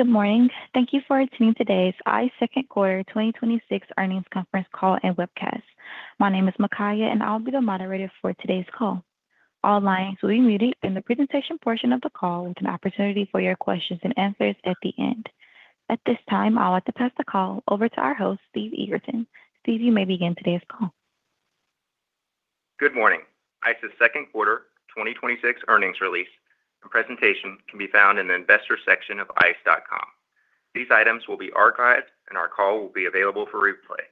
Good morning. Thank you for attending today's ICE second quarter 2026 earnings conference call and webcast. My name is Makaya, and I'll be the moderator for today's call. All lines will be muted in the presentation portion of the call with an opportunity for your questions and answers at the end. At this time, I'll want to pass the call over to our host, Steve Egerton. Steve, you may begin today's call. Good morning. ICE's second quarter 2026 earnings release and presentation can be found in the investor section of ice.com. These items will be archived, and our call will be available for replay.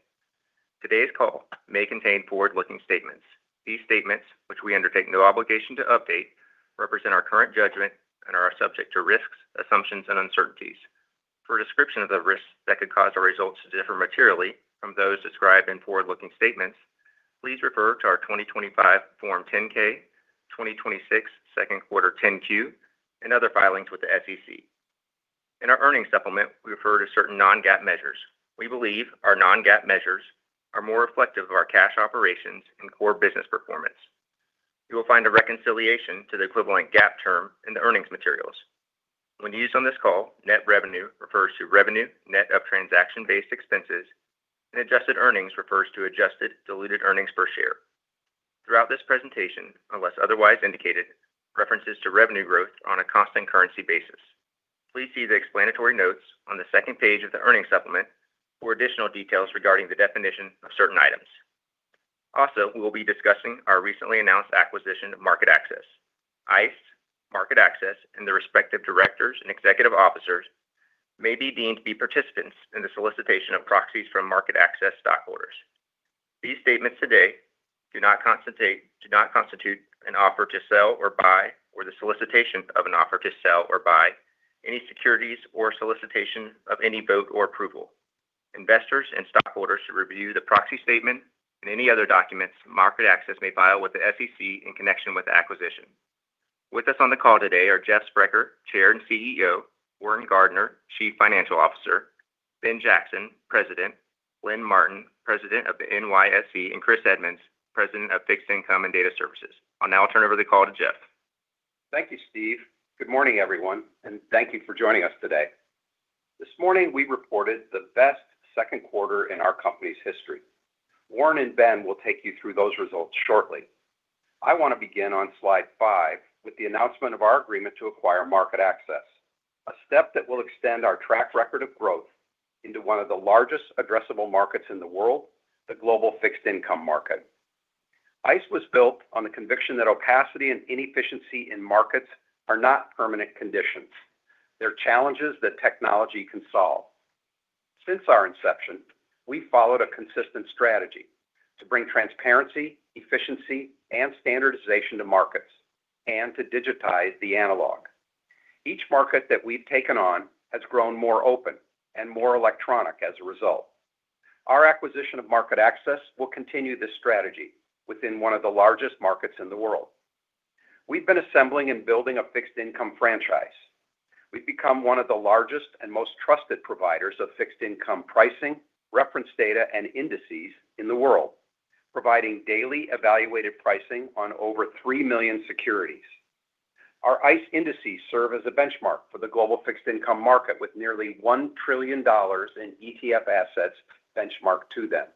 Today's call may contain forward-looking statements. These statements, which we undertake no obligation to update, represent our current judgment and are subject to risks, assumptions, and uncertainties. For a description of the risks that could cause our results to differ materially from those described in forward-looking statements, please refer to our 2025 Form 10-K, 2026 second quarter 10-Q, and other filings with the SEC. In our earnings supplement, we refer to certain non-GAAP measures. We believe our non-GAAP measures are more reflective of our cash operations and core business performance. You will find a reconciliation to the equivalent GAAP term in the earnings materials. When used on this call, net revenue refers to revenue, net of transaction-based expenses, and adjusted earnings refers to adjusted diluted earnings per share. Throughout this presentation, unless otherwise indicated, references to revenue growth on a constant currency basis. Please see the explanatory notes on the second page of the earnings supplement for additional details regarding the definition of certain items. We'll be discussing our recently announced acquisition of MarketAxess. ICE, MarketAxess, and the respective directors and executive officers may be deemed to be participants in the solicitation of proxies from MarketAxess stockholders. These statements today do not constitute an offer to sell or buy, or the solicitation of an offer to sell or buy any securities or solicitation of any vote or approval. Investors and stockholders should review the proxy statement and any other documents MarketAxess may file with the SEC in connection with the acquisition. With us on the call today are Jeff Sprecher, Chair and CEO, Warren Gardiner, Chief Financial Officer, Ben Jackson, President, Lynn Martin, President of the NYSE, and Chris Edmonds, President of Fixed Income and Data Services. I'll now turn over the call to Jeff. Thank you, Steve. Good morning, everyone, and thank you for joining us today. This morning, we reported the best second quarter in our company's history. Warren and Ben will take you through those results shortly. I want to begin on slide five with the announcement of our agreement to acquire MarketAxess, a step that will extend our track record of growth into one of the largest addressable markets in the world, the global fixed-income market. ICE was built on the conviction that opacity and inefficiency in markets are not permanent conditions. They're challenges that technology can solve. Since our inception, we followed a consistent strategy to bring transparency, efficiency, and standardization to markets and to digitize the analog. Each market that we've taken on has grown more open and more electronic as a result. Our acquisition of MarketAxess will continue this strategy within one of the largest markets in the world. We've been assembling and building a fixed-income franchise. We've become one of the largest and most trusted providers of fixed-income pricing, reference data, and indices in the world. Providing daily evaluated pricing on over three million securities. Our ICE indices serve as a benchmark for the global fixed-income market, with nearly $1 trillion in ETF assets benchmarked to them.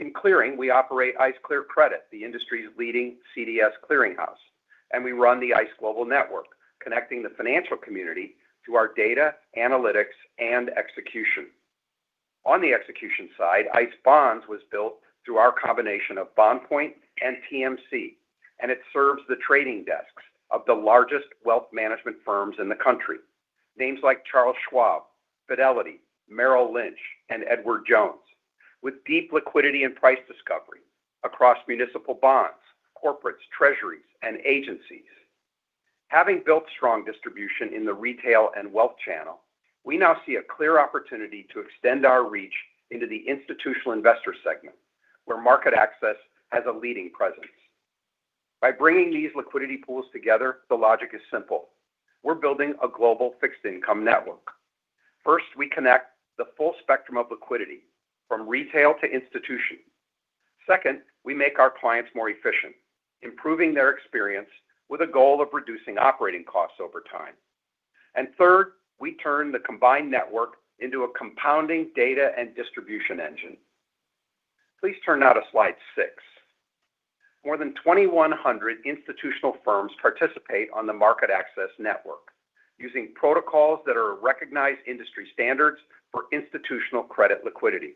In clearing, we operate ICE Clear Credit, the industry's leading CDS clearing house, and we run the ICE Global Network, connecting the financial community to our data, analytics, and execution. On the execution side, ICE Bonds was built through our combination of BondPoint and TMC, and it serves the trading desks of the largest wealth management firms in the country. Names like Charles Schwab, Fidelity, Merrill Lynch, and Edward Jones, with deep liquidity and price discovery across municipal bonds, corporates, treasuries, and agencies. Having built strong distribution in the retail and wealth channel, we now see a clear opportunity to extend our reach into the institutional investor segment, where MarketAxess has a leading presence. By bringing these liquidity pools together, the logic is simple. We're building a global fixed-income network. First, we connect the full spectrum of liquidity, from retail to institution. Second, we make our clients more efficient, improving their experience with a goal of reducing operating costs over time. Third, we turn the combined network into a compounding data and distribution engine. Please turn now to slide six. More than 2,100 institutional firms participate on the MarketAxess network using protocols that are recognized industry standards for institutional credit liquidity.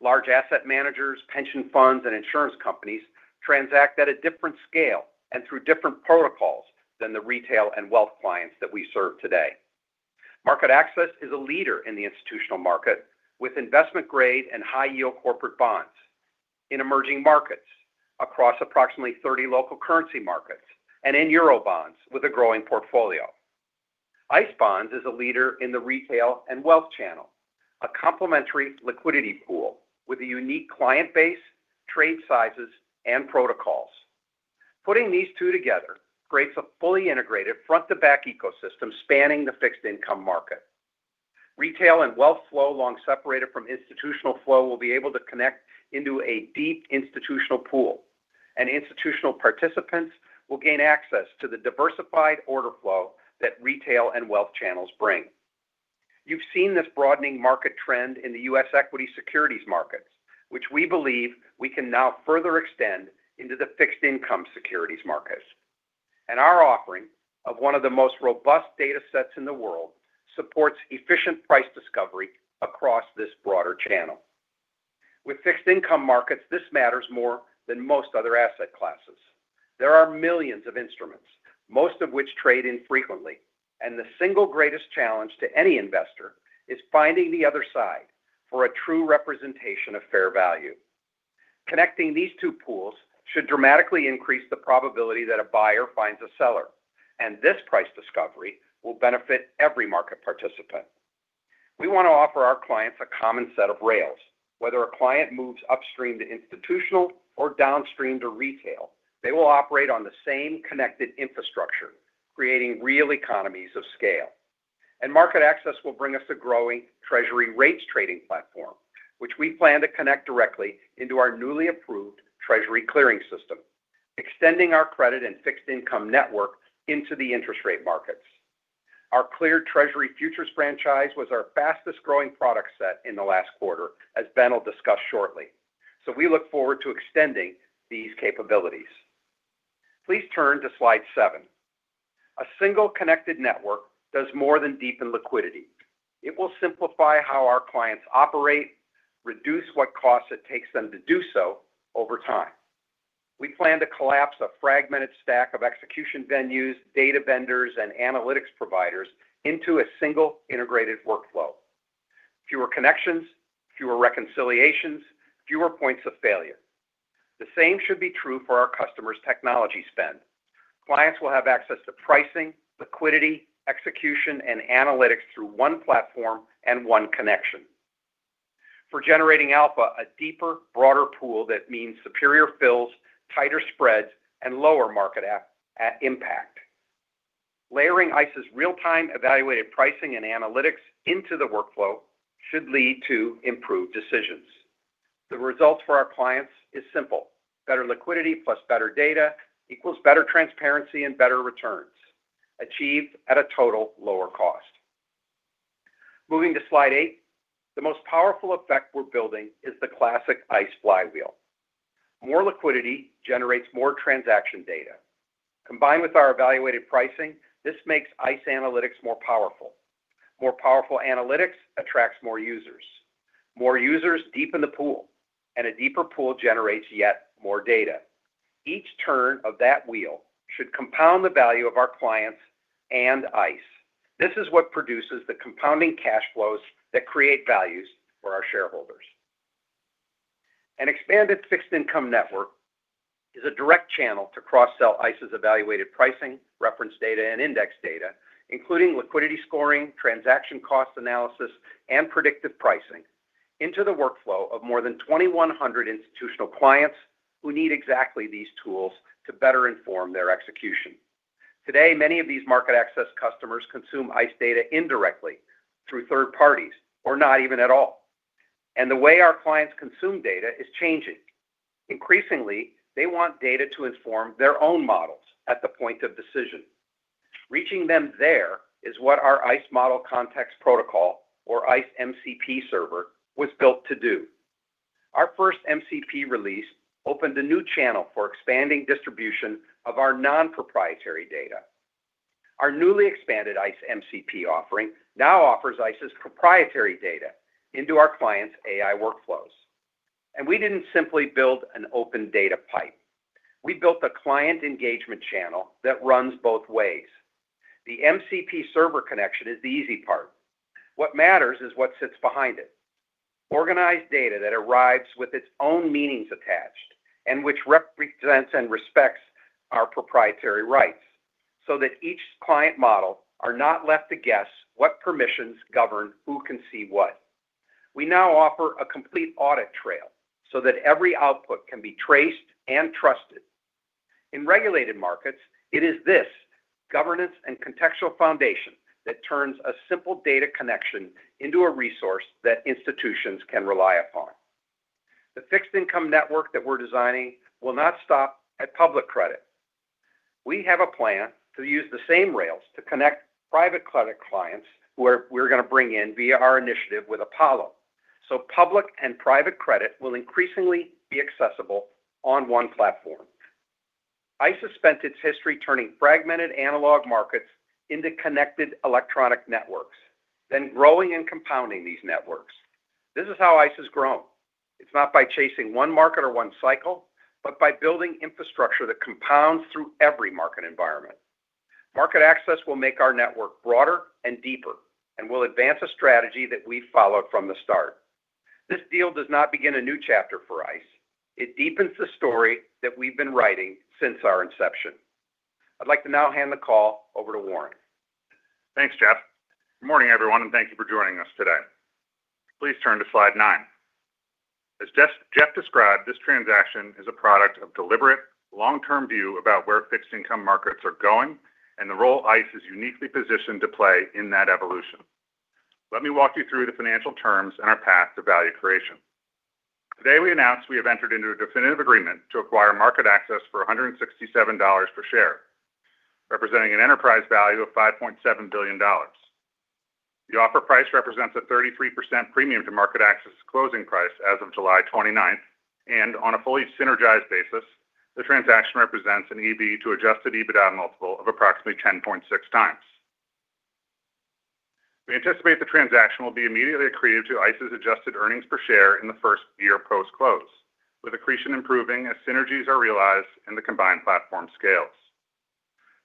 Large asset managers, pension funds, and insurance companies transact at a different scale and through different protocols than the retail and wealth clients that we serve today. MarketAxess is a leader in the institutional market with investment-grade and high-yield corporate bonds in emerging markets across approximately 30 local currency markets and in eurobonds with a growing portfolio. ICE Bonds is a leader in the retail and wealth channel, a complementary liquidity pool with a unique client base, trade sizes, and protocols. Putting these two together creates a fully integrated front-to-back ecosystem spanning the fixed-income market. Retail and wealth flow, long separated from institutional flow, will be able to connect into a deep institutional pool. Institutional participants will gain access to the diversified order flow that retail and wealth channels bring. You've seen this broadening market trend in the U.S. equity securities markets, which we believe we can now further extend into the fixed income securities markets. Our offering of one of the most robust data sets in the world supports efficient price discovery across this broader channel. With fixed income markets, this matters more than most other asset classes. There are millions of instruments, most of which trade infrequently, the single greatest challenge to any investor is finding the other side for a true representation of fair value. Connecting these two pools should dramatically increase the probability that a buyer finds a seller, this price discovery will benefit every market participant. We want to offer our clients a common set of rails. Whether a client moves upstream to institutional or downstream to retail, they will operate on the same connected infrastructure, creating real economies of scale. MarketAxess will bring us a growing Treasury rates trading platform, which we plan to connect directly into our newly approved Treasury clearing system, extending our credit and fixed income network into the interest rate markets. Our cleared Treasury futures franchise was our fastest-growing product set in the last quarter, as Ben will discuss shortly. We look forward to extending these capabilities. Please turn to slide seven. A single connected network does more than deepen liquidity. It will simplify how our clients operate, reduce what costs it takes them to do so over time. We plan to collapse a fragmented stack of execution venues, data vendors, and analytics providers into a single integrated workflow. Fewer connections, fewer reconciliations, fewer points of failure. The same should be true for our customers' technology spend. Clients will have access to pricing, liquidity, execution, and analytics through one platform and one connection. For generating alpha, a deeper, broader pool that means superior fills, tighter spreads, and lower market impact. Layering ICE's real-time evaluated pricing and analytics into the workflow should lead to improved decisions. The results for our clients is simple. Better liquidity plus better data equals better transparency and better returns, achieved at a total lower cost. Moving to slide eight. The most powerful effect we're building is the classic ICE flywheel. More liquidity generates more transaction data. Combined with our evaluated pricing, this makes ICE analytics more powerful. More powerful analytics attracts more users. More users deepen the pool, a deeper pool generates yet more data. Each turn of that wheel should compound the value of our clients and ICE. This is what produces the compounding cash flows that create values for our shareholders. An expanded fixed-income network is a direct channel to cross-sell ICE's evaluated pricing, reference data, and index data, including liquidity scoring, transaction cost analysis, and predictive pricing into the workflow of more than 2,100 institutional clients who need exactly these tools to better inform their execution. Today, many of these MarketAxess customers consume ICE data indirectly through third parties or not even at all. The way our clients consume data is changing. Increasingly, they want data to inform their own models at the point of decision. Reaching them there is what our ICE Model Context Protocol or ICE MCP server was built to do. Our first MCP release opened a new channel for expanding distribution of our non-proprietary data. Our newly expanded ICE MCP offering now offers ICE's proprietary data into our clients' AI workflows. We didn't simply build an open data pipe. We built a client engagement channel that runs both ways. The MCP server connection is the easy part. What matters is what sits behind it. Organized data that arrives with its own meanings attached, and which represents and respects our proprietary rights so that each client model are not left to guess what permissions govern who can see what. We now offer a complete audit trail so that every output can be traced and trusted. In regulated markets, it is this governance and contextual foundation that turns a simple data connection into a resource that institutions can rely upon. The fixed-income network that we're designing will not stop at public credit. We have a plan to use the same rails to connect private credit clients who we're going to bring in via our initiative with Apollo. Public and private credit will increasingly be accessible on one platform. ICE has spent its history turning fragmented, analog markets into connected electronic networks, then growing and compounding these networks. This is how ICE has grown not by chasing a single market or one particular cycle, but by building infrastructure that compounds across every market environment. MarketAxess will make our network broader and deeper, while advancing the strategy we have followed from the start. This deal does not begin a new chapter for ICE, it deepens the story we have been writing since our inception. I'd now like to hand the call over to Warren Thanks, Jeff. Good morning, everyone, and thank you for joining us today. Please turn to slide nine. This transaction is a product of deliberate long-term view about where fixed income markets are going and the role ICE is uniquely positioned to play in that evolution. Let me walk you through the financial terms and our path to value creation. Today, we announced we have entered into a definitive agreement to acquire MarketAxess for $167 per share, representing an enterprise value of $5.7 billion. The offer price represents a 33% premium to MarketAxess' closing price as of July 29th, and on a fully synergized basis, the transaction represents an EV to adjusted EBITDA multiple of approximately 10.6x. We anticipate the transaction will be immediately accretive to ICE's adjusted earnings per share in the first year post-close, with accretion improving as synergies are realized and the combined platform scales.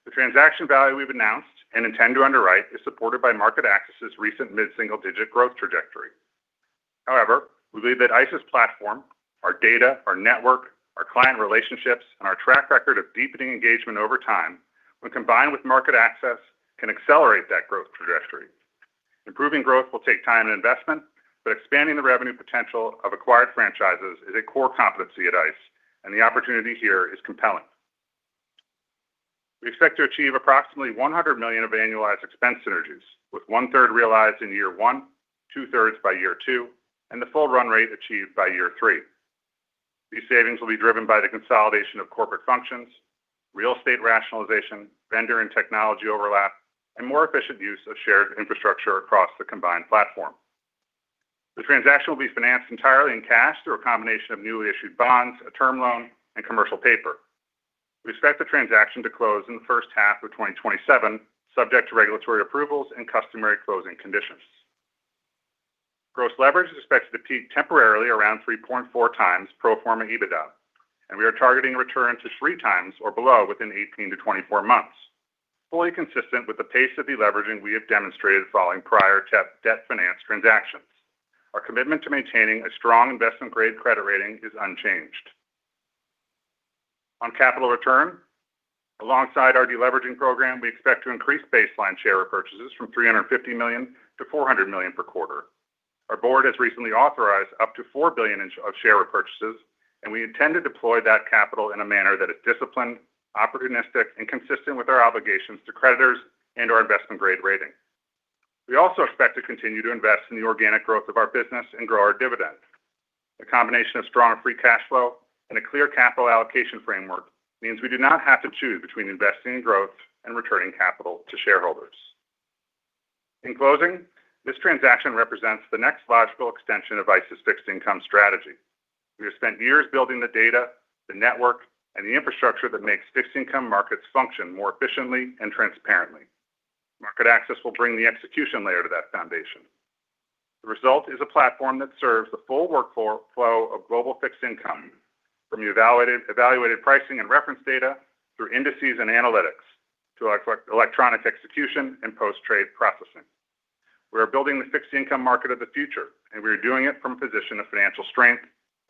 The transaction value we've announced and intend to underwrite is supported by MarketAxess' recent mid-single-digit growth trajectory. However, we believe that ICE's platform, our data, our network, our client relationships, and our track record of deepening engagement over time, when combined with MarketAxess, can accelerate that growth trajectory. Improving growth will take time and investment, but expanding the revenue potential of acquired franchises is a core competency at ICE, and the opportunity here is compelling. We expect the transaction to close in the first half of 2027, subject to regulatory approvals and customary closing conditions. Gross leverage is expected to peak temporarily around 3.4x pro forma EBITDA, and we are targeting a return to 3x or below within 18-24 months, fully consistent with the pace of deleveraging we have demonstrated following prior debt-financed transactions. Our commitment to maintaining a strong investment-grade credit rating is unchanged. On capital return, alongside our deleveraging program, we expect to increase baseline share repurchases from $350 million-$400 million per quarter. Our board has recently authorized up to $4 billion of share repurchases. We intend to deploy that capital in a manner that is disciplined, opportunistic, and consistent with our obligations to creditors and our investment-grade rating. We also expect to continue to invest in the organic growth of our business and grow our dividend. A combination of strong free cash flow and a clear capital allocation framework means we do not have to choose between investing in growth and returning capital to shareholders. In closing, this transaction represents the next logical extension of ICE's fixed-income strategy. We have spent years building the data, the network, and the infrastructure that makes fixed-income markets function more efficiently and transparently. MarketAxess will bring the execution layer to that foundation. The result is a platform that serves the full workflow of global fixed income, from evaluated pricing and reference data through indices and analytics to electronic execution and post-trade processing. We are building the fixed-income market of the future, and we are doing it from a position of financial strength,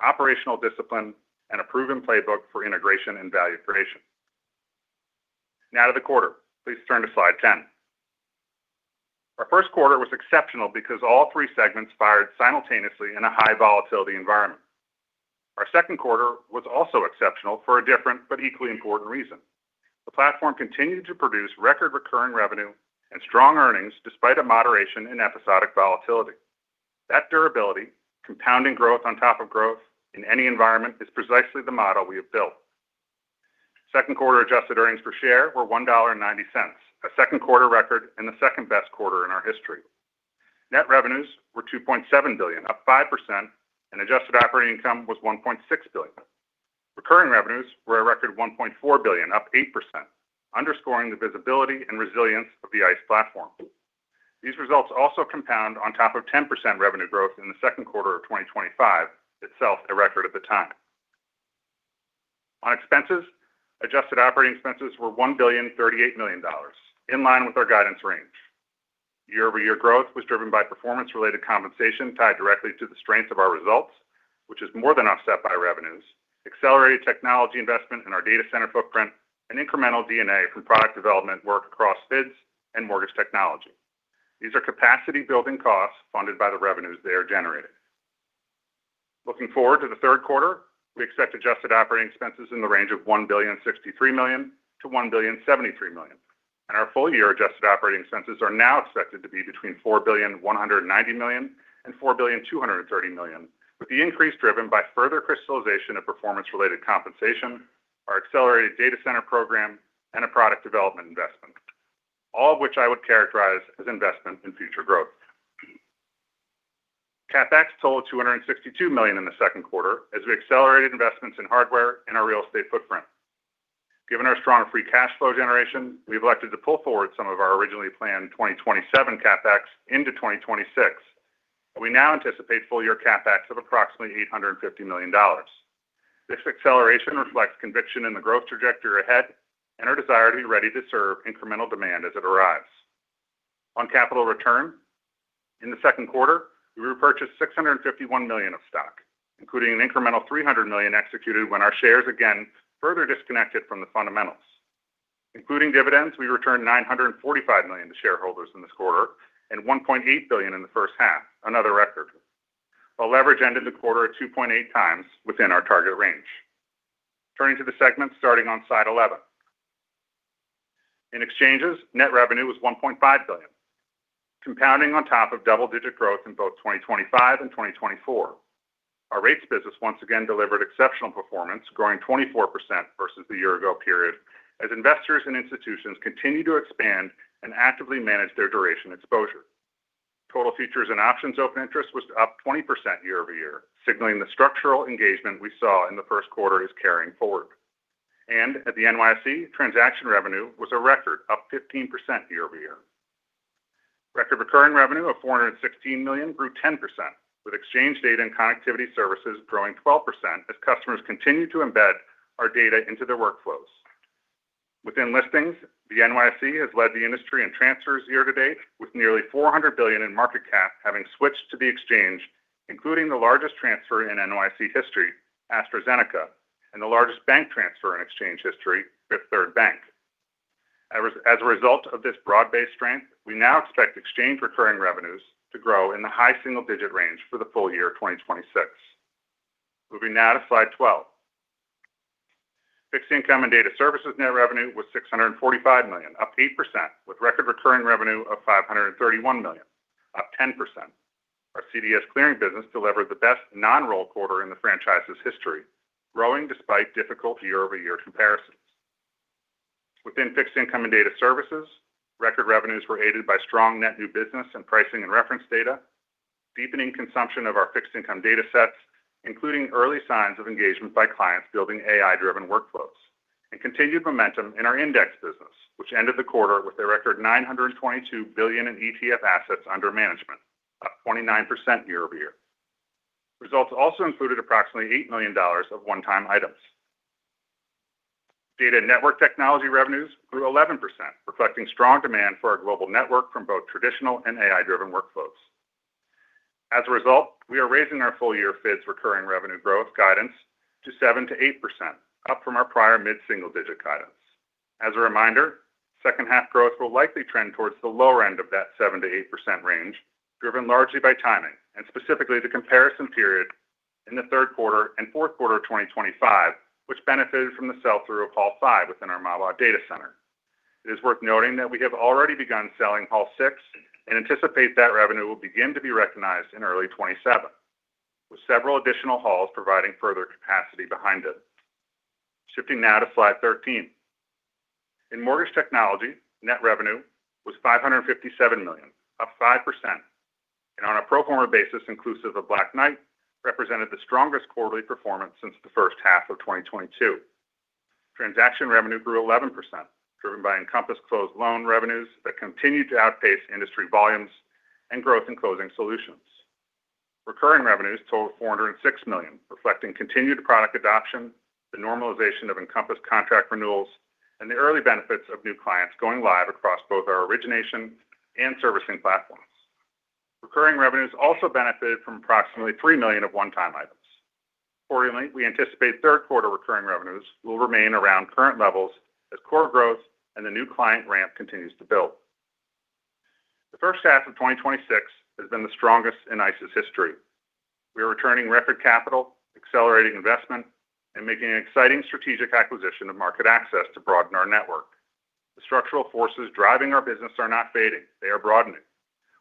operational discipline, and a proven playbook for integration and value creation. Now to the quarter. Please turn to slide 10. Our first quarter was exceptional because all three segments fired simultaneously in a high-volatility environment. Our second quarter was also exceptional for a different but equally important reason. The platform continued to produce record recurring revenue and strong earnings despite a moderation in episodic volatility. That durability, compounding growth on top of growth in any environment, is precisely the model we have built. Second quarter adjusted earnings per share were $1.90, a second quarter record and the second-best quarter in our history. Net revenues were $2.7 billion, up 5%, and adjusted operating income was $1.6 billion. Recurring revenues were a record $1.4 billion, up 8%, underscoring the visibility and resilience of the ICE platform. These results also compound on top of 10% revenue growth in the second quarter of 2025, itself a record at the time. On expenses, adjusted operating expenses were $1.038 billion, in line with our guidance range. Year-over-year growth was driven by performance-related compensation tied directly to the strength of our results, which is more than offset by revenues, accelerated technology investment in our data center footprint, and incremental D&A from product development work across FIDS and mortgage technology. These are capacity-building costs funded by the revenues they are generating. Looking forward to the third quarter, we expect adjusted operating expenses in the range of $1.063 billion-$1.073 billion. Our full-year adjusted operating expenses are now expected to be between $4.190 billion and $4.230 billion, with the increase driven by further crystallization of performance-related compensation, our accelerated data center program, and a product development investment. All of which I would characterize as investment in future growth. CapEx totaled $262 million in the second quarter as we accelerated investments in hardware and our real estate footprint. Given our strong free cash flow generation, we've elected to pull forward some of our originally planned 2027 CapEx into 2026, and we now anticipate full-year CapEx of approximately $850 million. This acceleration reflects conviction in the growth trajectory ahead and our desire to be ready to serve incremental demand as it arrives. On capital return, in the second quarter, we repurchased $651 million of stock, including an incremental $300 million executed when our shares again further disconnected from the fundamentals. Including dividends, we returned $945 million to shareholders in this quarter and $1.8 billion in the first half, another record. While leverage ended the quarter at 2.8x within our target range. Turning to the segments, starting on slide 11. In Exchanges, net revenue was $1.5 billion, compounding on top of double-digit growth in both 2025 and 2024. Our rates business once again delivered exceptional performance, growing 24% versus the year ago period, as investors and institutions continue to expand and actively manage their duration exposure. Total futures and options open interest was up 20% year-over-year, signaling the structural engagement we saw in the first quarter is carrying forward. At the NYSE, transaction revenue was a record, up 15% year-over-year. Record recurring revenue of $416 million grew 10%, with exchange data and connectivity services growing 12% as customers continue to embed our data into their workflows. Within listings, the NYSE has led the industry in transfers year-to-date, with nearly $400 billion in market cap having switched to the exchange, including the largest transfer in NYSE history, AstraZeneca, and the largest bank transfer in exchange history with Fifth Third Bank. As a result of this broad-based strength, we now expect Exchange recurring revenues to grow in the high single-digit range for the full year of 2026. Moving now to slide 12. Fixed Income and Data Services net revenue was $645 million, up 8%, with record recurring revenue of $531 million, up 10%. Our CDS clearing business delivered the best non-roll quarter in the franchise's history, growing despite difficult year-over-year comparisons. Within Fixed Income and Data Services, record revenues were aided by strong net new business and pricing and reference data, deepening consumption of our fixed income data sets, including early signs of engagement by clients building AI-driven workflows, and continued momentum in our index business, which ended the quarter with a record $922 billion in ETF assets under management, up 29% year-over-year. Results also included approximately $8 million of one-time items. Data and network technology revenues grew 11%, reflecting strong demand for our global network from both traditional and AI-driven workflows. As a result, we are raising our full-year FIDS recurring revenue growth guidance to 7%-8%, up from our prior mid-single-digit guidance. As a reminder, second half growth will likely trend towards the lower end of that 7%-8% range, driven largely by timing and specifically the comparison period in the third quarter and fourth quarter of 2025, which benefited from the sell-through of Hall Five within our Mahwah data center. It is worth noting that we have already begun selling Hall Six and anticipate that revenue will begin to be recognized in early 2027, with several additional halls providing further capacity behind it. Shifting now to slide 13. In mortgage technology, net revenue was $557 million, up 5%, and on a pro forma basis, inclusive of Black Knight, represented the strongest quarterly performance since the first half of 2022. Transaction revenue grew 11%, driven by Encompass closed loan revenues that continued to outpace industry volumes and growth in closing solutions. Recurring revenues totaled $406 million, reflecting continued product adoption, the normalization of Encompass contract renewals, and the early benefits of new clients going live across both our origination and servicing platforms. Recurring revenues also benefited from approximately $3 million of one-time items. Quarterly, we anticipate third quarter recurring revenues will remain around current levels as core growth and the new client ramp continues to build. The first half of 2026 has been the strongest in ICE's history. We are returning record capital, accelerating investment, and making an exciting strategic acquisition of MarketAxess to broaden our network. The structural forces driving our business are not fading. They are broadening.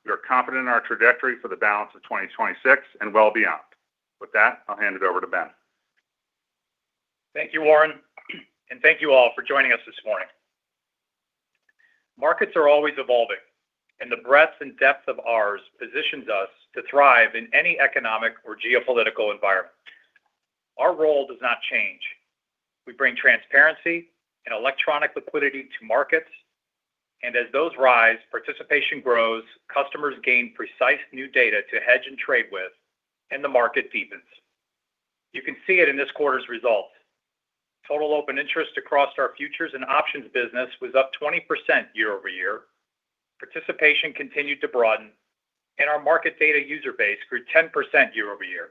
We are confident in our trajectory for the balance of 2026 and well beyond. With that, I'll hand it over to Ben. Thank you, Warren, and thank you all for joining us this morning. Markets are always evolving, and the breadth and depth of ours positions us to thrive in any economic or geopolitical environment. Our role does not change. We bring transparency and electronic liquidity to markets. As those rise, participation grows, customers gain precise new data to hedge and trade with, and the market deepens. You can see it in this quarter's results. Total open interest across our futures and options business was up 20% year-over-year. Participation continued to broaden, and our market data user base grew 10% year-over-year.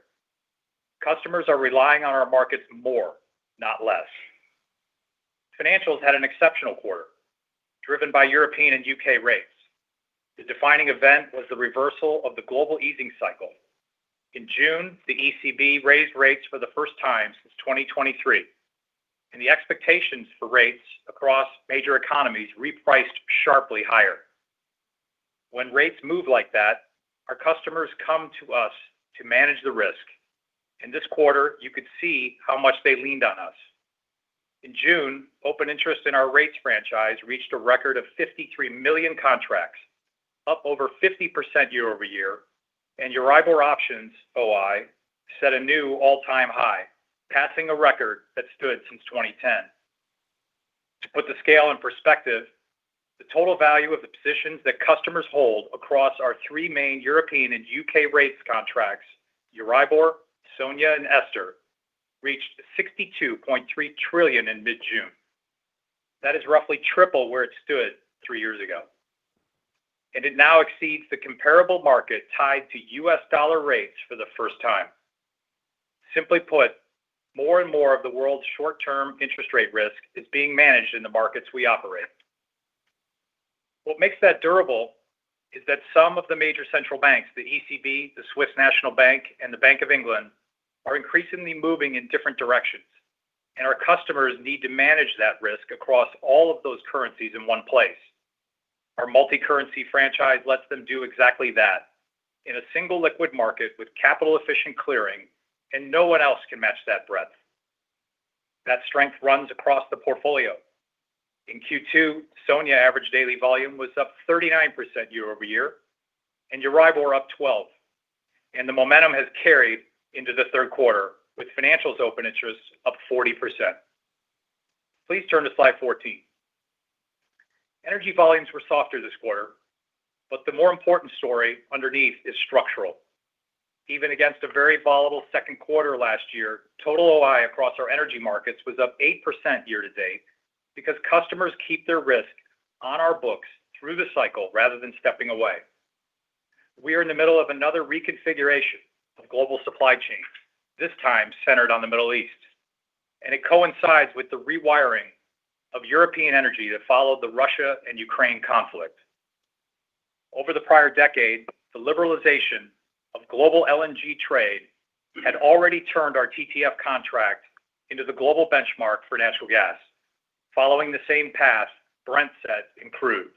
Customers are relying on our markets more, not less. Financials had an exceptional quarter, driven by European and U.K. rates. The defining event was the reversal of the global easing cycle. In June, the ECB raised rates for the first time since 2023, and the expectations for rates across major economies repriced sharply higher. When rates move like that, our customers come to us to manage the risk. In this quarter, you could see how much they leaned on us. In June, open interest in our rates franchise reached a record of 53 million contracts, up over 50% year-over-year, and Euribor options, OI, set a new all-time high, passing a record that stood since 2010. To put the scale in perspective, the total value of the positions that customers hold across our three main European and U.K. rates contracts, Euribor, SONIA, and €STR, reached $62.3 trillion in mid-June. That is roughly triple where it stood three years ago. It now exceeds the comparable market tied to U.S. dollar rates for the first time. Simply put, more and more of the world's short-term interest rate risk is being managed in the markets we operate. What makes that durable is that some of the major central banks, the ECB, the Swiss National Bank, and the Bank of England, are increasingly moving in different directions. Our customers need to manage that risk across all of those currencies in one place. Our multicurrency franchise lets them do exactly that in a single liquid market with capital-efficient clearing. No one else can match that breadth. That strength runs across the portfolio. In Q2, SONIA average daily volume was up 39% year-over-year, and EURIBOR up 12%. The momentum has carried into the third quarter, with financials open interest up 40%. Please turn to slide 14. Energy volumes were softer this quarter. The more important story underneath is structural. Even against a very volatile second quarter last year, total OI across our energy markets was up 8% year-to-date because customers keep their risk on our books through the cycle rather than stepping away. We are in the middle of another reconfiguration of global supply chains, this time centered on the Middle East. It coincides with the rewiring of European energy that followed the Russia and Ukraine conflict. Over the prior decade, the liberalization of global LNG trade had already turned our TTF contract into the global benchmark for natural gas, following the same path Brent set in crude.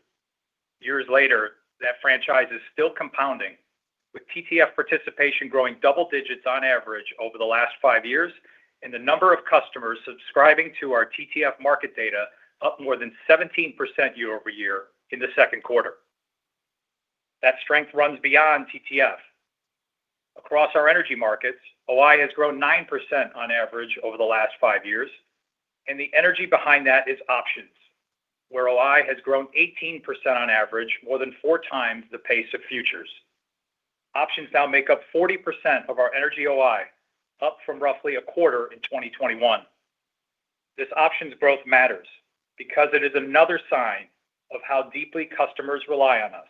Years later, that franchise is still compounding, with TTF participation growing double digits on average over the last five years. The number of customers subscribing to our TTF market data up more than 17% year-over-year in the second quarter. That strength runs beyond TTF. Across our energy markets, OI has grown 9% on average over the last five years. The energy behind that is options, where OI has grown 18% on average, more than 4x the pace of futures. Options now make up 40% of our energy OI, up from roughly a quarter in 2021. This options growth matters because it is another sign of how deeply customers rely on us.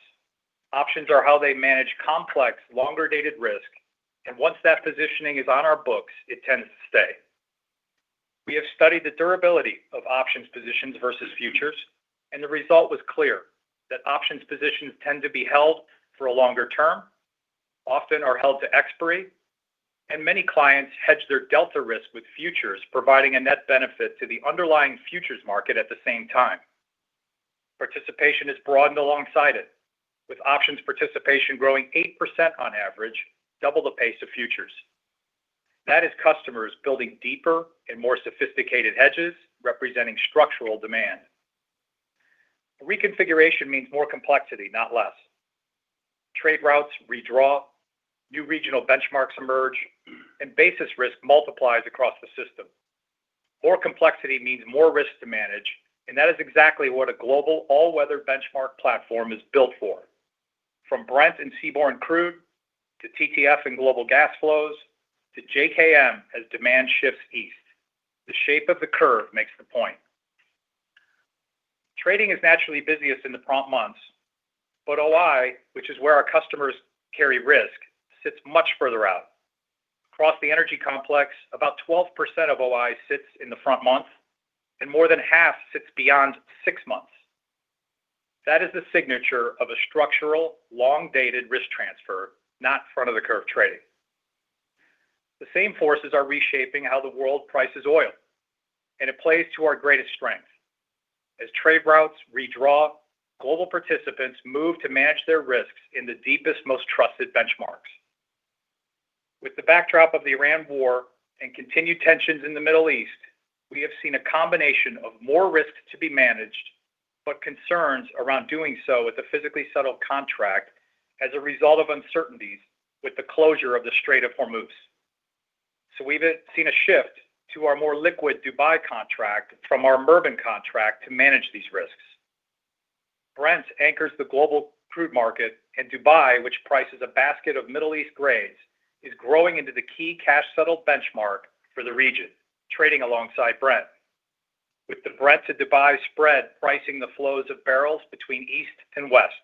Options are how they manage complex, longer-dated risk. Once that positioning is on our books, it tends to stay. We have studied the durability of options positions versus futures, and the result was clear that options positions tend to be held for a longer term, often are held to expiry, and many clients hedge their delta risk with futures, providing a net benefit to the underlying futures market at the same time. Participation has broadened alongside it, with options participation growing 8% on average, double the pace of futures. That is customers building deeper and more sophisticated hedges, representing structural demand. Reconfiguration means more complexity, not less. Trade routes redraw, new regional benchmarks emerge. Basis risk multiplies across the system. More complexity means more risk to manage. That is exactly what a global all-weather benchmark platform is built for. From Brent and seaborne crude to TTF and global gas flows to JKM as demand shifts east. The shape of the curve makes the point. Trading is naturally busiest in the prompt months. OI, which is where our customers carry risk, sits much further out. Across the energy complex, about 12% of OI sits in the front month. More than half sits beyond six months. That is the signature of a structural, long-dated risk transfer, not front-of-the-curve trading. The same forces are reshaping how the world prices oil, it plays to our greatest strength. As trade routes redraw, global participants move to manage their risks in the deepest, most trusted benchmarks. With the backdrop of the Iran War and continued tensions in the Middle East. We have seen a combination of more risk to be managed, but concerns around doing so with a physically settled contract as a result of uncertainties with the closure of the Strait of Hormuz. We've seen a shift to our more liquid Dubai contract from our Murban contract to manage these risks. Brent anchors the global crude market, and Dubai, which prices a basket of Middle East grades, is growing into the key cash-settled benchmark for the region, trading alongside Brent, with the Brent to Dubai spread pricing the flows of barrels between east and west.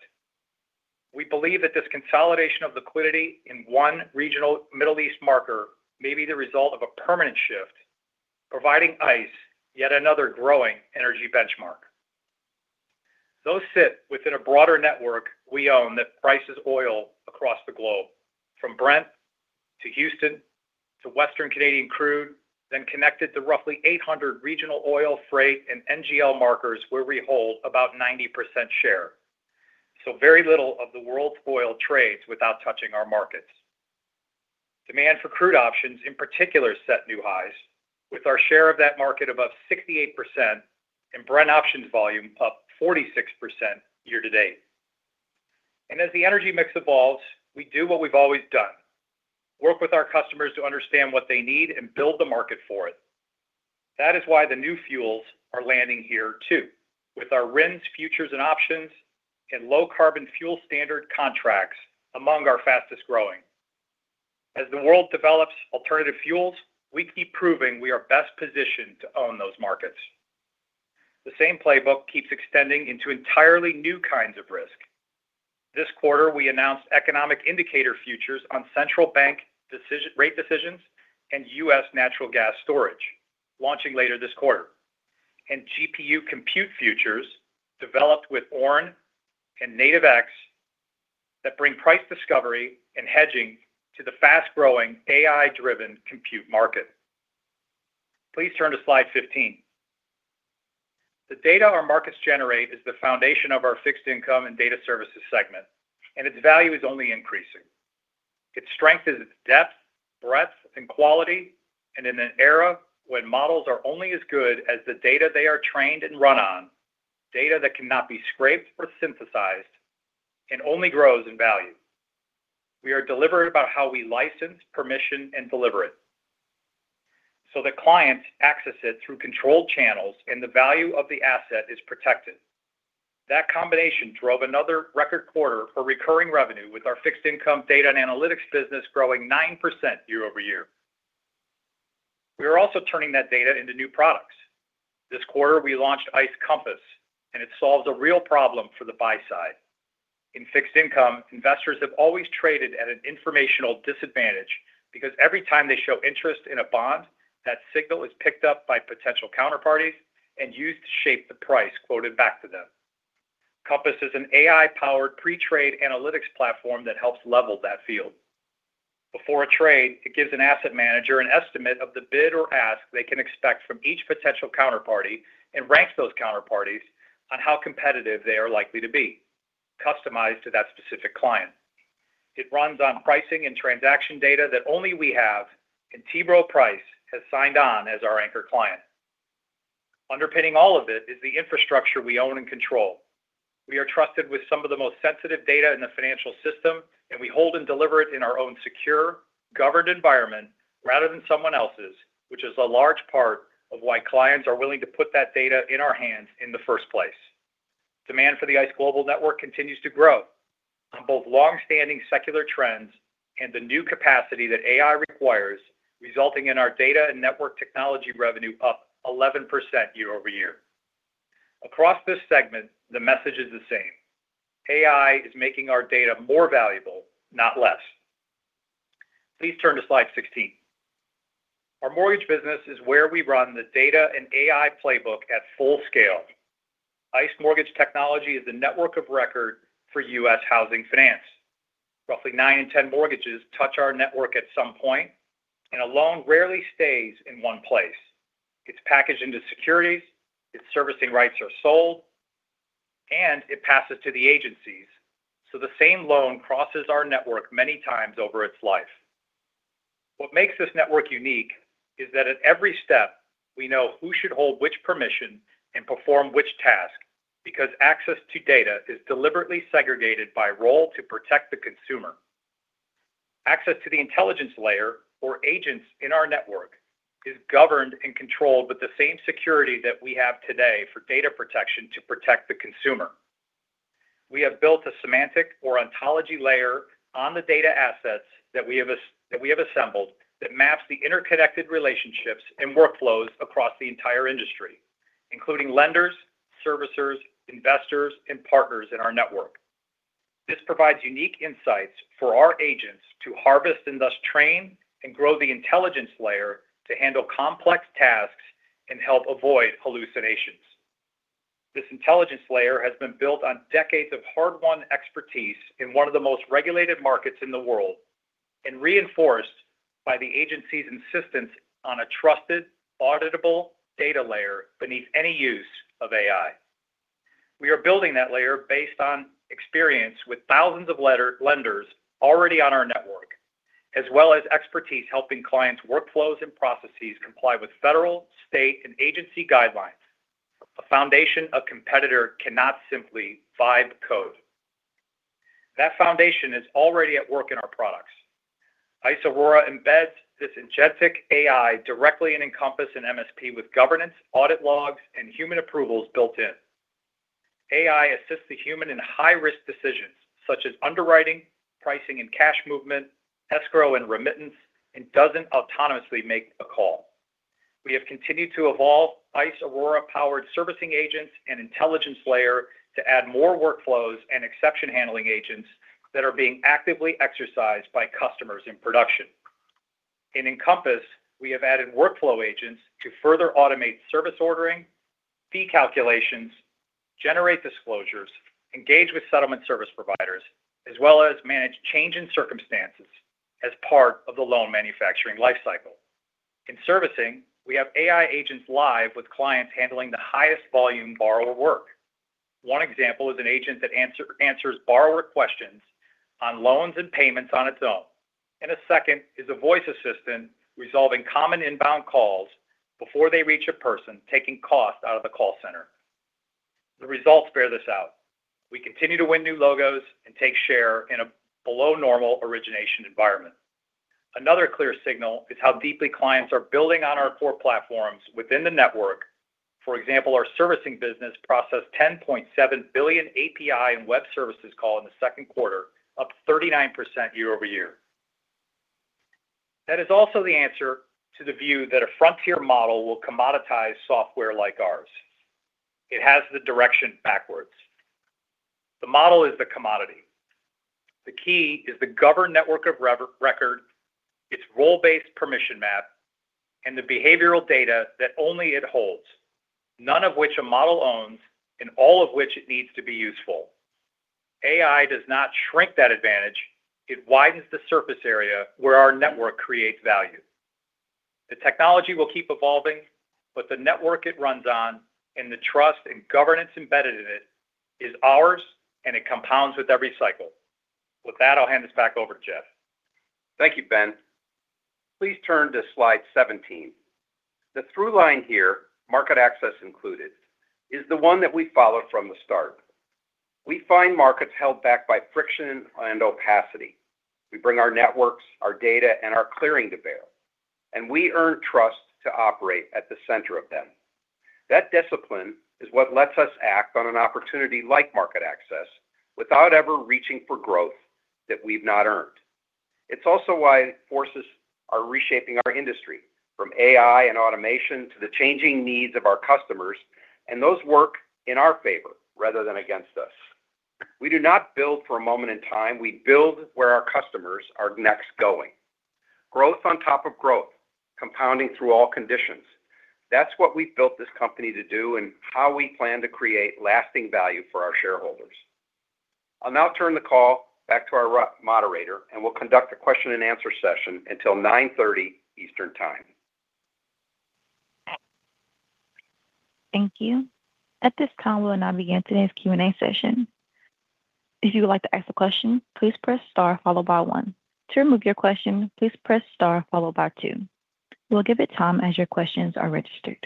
We believe that this consolidation of liquidity in one regional Middle East marker may be the result of a permanent shift, providing ICE yet another growing energy benchmark. Those sit within a broader network we own that prices oil across the globe, from Brent to Houston to Western Canadian Select, connected to roughly 800 regional oil freight and NGL markers where we hold about 90% share. Very little of the world's oil trades without touching our markets. Demand for crude options, in particular, set new highs, with our share of that market above 68% and Brent options volume up 46% year-to-date. As the energy mix evolves, we do what we've always done, work with our customers to understand what they need and build the market for it. That is why the new fuels are landing here, too, with our RINs futures and options and Low-Carbon Fuel Standard contracts among our fastest-growing. As the world develops alternative fuels, we keep proving we are best positioned to own those markets. The same playbook keeps extending into entirely new kinds of risk. This quarter, we announced economic indicator futures on central bank rate decisions and U.S. natural gas storage, launching later this quarter. GPU Compute Futures, developed with Ornn and NATIVX, that bring price discovery and hedging to the fast-growing AI-driven compute market. Please turn to slide 15. The data our markets generate is the foundation of our Fixed Income and Data Services segment, its value is only increasing. Its strength is its depth, breadth, and quality, in an era when models are only as good as the data they are trained and run on, data that cannot be scraped or synthesized only grows in value. We are deliberate about how we license, permission, and deliver it so that clients access it through controlled channels and the value of the asset is protected. That combination drove another record quarter for recurring revenue with our Fixed Income Data and Analytics business growing 9% year-over-year. We are also turning that data into new products. This quarter, we launched ICE Compass, it solves a real problem for the buy side. In fixed income, investors have always traded at an informational disadvantage because every time they show interest in a bond, that signal is picked up by potential counterparties and used to shape the price quoted back to them. Compass is an AI-powered pre-trade analytics platform that helps level that field. Before a trade, it gives an asset manager an estimate of the bid or ask they can expect from each potential counterparty and ranks those counterparties on how competitive they are likely to be, customized to that specific client. It runs on pricing and transaction data that only we have, and T. Rowe Price has signed on as our anchor client. Underpinning all of it is the infrastructure we own and control. We are trusted with some of the most sensitive data in the financial system. We hold and deliver it in our own secure, governed environment rather than someone else's, which is a large part of why clients are willing to put that data in our hands in the first place. Demand for the ICE Global Network continues to grow on both longstanding secular trends and the new capacity that AI requires, resulting in our data and network technology revenue up 11% year-over-year. Across this segment, the message is the same. AI is making our data more valuable, not less. Please turn to slide 16. Our mortgage business is where we run the data and AI playbook at full scale. ICE Mortgage Technology is the network of record for U.S. housing finance. Roughly 9 in 10 mortgages touch our network at some point, and a loan rarely stays in one place. It's packaged into securities, its servicing rights are sold, and it passes to the agencies. So the same loan crosses our network many times over its life. What makes this network unique is that at every step, we know who should hold which permission and perform which task, because access to data is deliberately segregated by role to protect the consumer. Access to the intelligence layer or agents in our network is governed and controlled with the same security that we have today for data protection to protect the consumer. We have built a semantic or ontology layer on the data assets that we have assembled that maps the interconnected relationships and workflows across the entire industry, including lenders, servicers, investors, and partners in our network. This provides unique insights for our agents to harvest and thus train and grow the intelligence layer to handle complex tasks and help avoid hallucinations. This intelligence layer has been built on decades of hard-won expertise in one of the most regulated markets in the world and reinforced by the agency's insistence on a trusted, auditable data layer beneath any use of AI. We are building that layer based on experience with thousands of lenders already on our network, as well as expertise helping clients' workflows and processes comply with federal, state, and agency guidelines, a foundation a competitor cannot simply rewrite code. That foundation is already at work in our products. ICE Aurora embeds this agentic AI directly in Encompass and MSP with governance, audit logs, and human approvals built in. AI assists the human in high-risk decisions, such as underwriting, pricing and cash movement, escrow and remittance, and doesn't autonomously make a call. We have continued to evolve ICE Aurora-powered servicing agents and intelligence layer to add more workflows and exception handling agents that are being actively exercised by customers in production. In Encompass, we have added workflow agents to further automate service ordering, fee calculations, generate disclosures, engage with settlement service providers, as well as manage change in circumstances as part of the loan manufacturing life cycle. In servicing, we have AI agents live with clients handling the highest volume borrower work. One example is an agent that answers borrower questions on loans and payments on its own, and a second is a voice assistant resolving common inbound calls before they reach a person, taking cost out of the call center. The results bear this out. We continue to win new logos and take share in a below normal origination environment. Another clear signal is how deeply clients are building on our core platforms within the network. For example, our servicing business processed $10.7 billion API and web services call in the second quarter, up 39% year-over-year. That is also the answer to the view that a frontier model will commoditize software like ours. It has the direction backwards. The model is the commodity. The key is the governed network of record, its role-based permission map, and the behavioral data that only it holds, none of which a model owns and all of which it needs to be useful. AI does not shrink that advantage. It widens the surface area where our network creates value. The technology will keep evolving, the network it runs on, and the trust and governance embedded in it, is ours, and it compounds with every cycle. With that, I'll hand this back over to Jeff. Thank you, Ben. Please turn to slide 17. The through line here, MarketAxess included, is the one that we followed from the start. We find markets held back by friction and opacity. We bring our networks, our data, and our clearing to bear, we earn trust to operate at the center of them. That discipline is what lets us act on an opportunity like MarketAxess without ever reaching for growth that we've not earned. It's also why forces are reshaping our industry, from AI and automation to the changing needs of our customers, those work in our favor rather than against us. We do not build for a moment in time. We build where our customers are next going. Growth on top of growth, compounding through all conditions. That's what we've built this company to do and how we plan to create lasting value for our shareholders. I'll now turn the call back to our moderator, and we'll conduct a question and answer session until 9:30 A.M. Eastern Time. Thank you. At this time, we'll now begin today's Q&A session. If you would like to ask a question, please press star followed by one. To remove your question, please press star followed by two. We'll give it time as your questions are registered.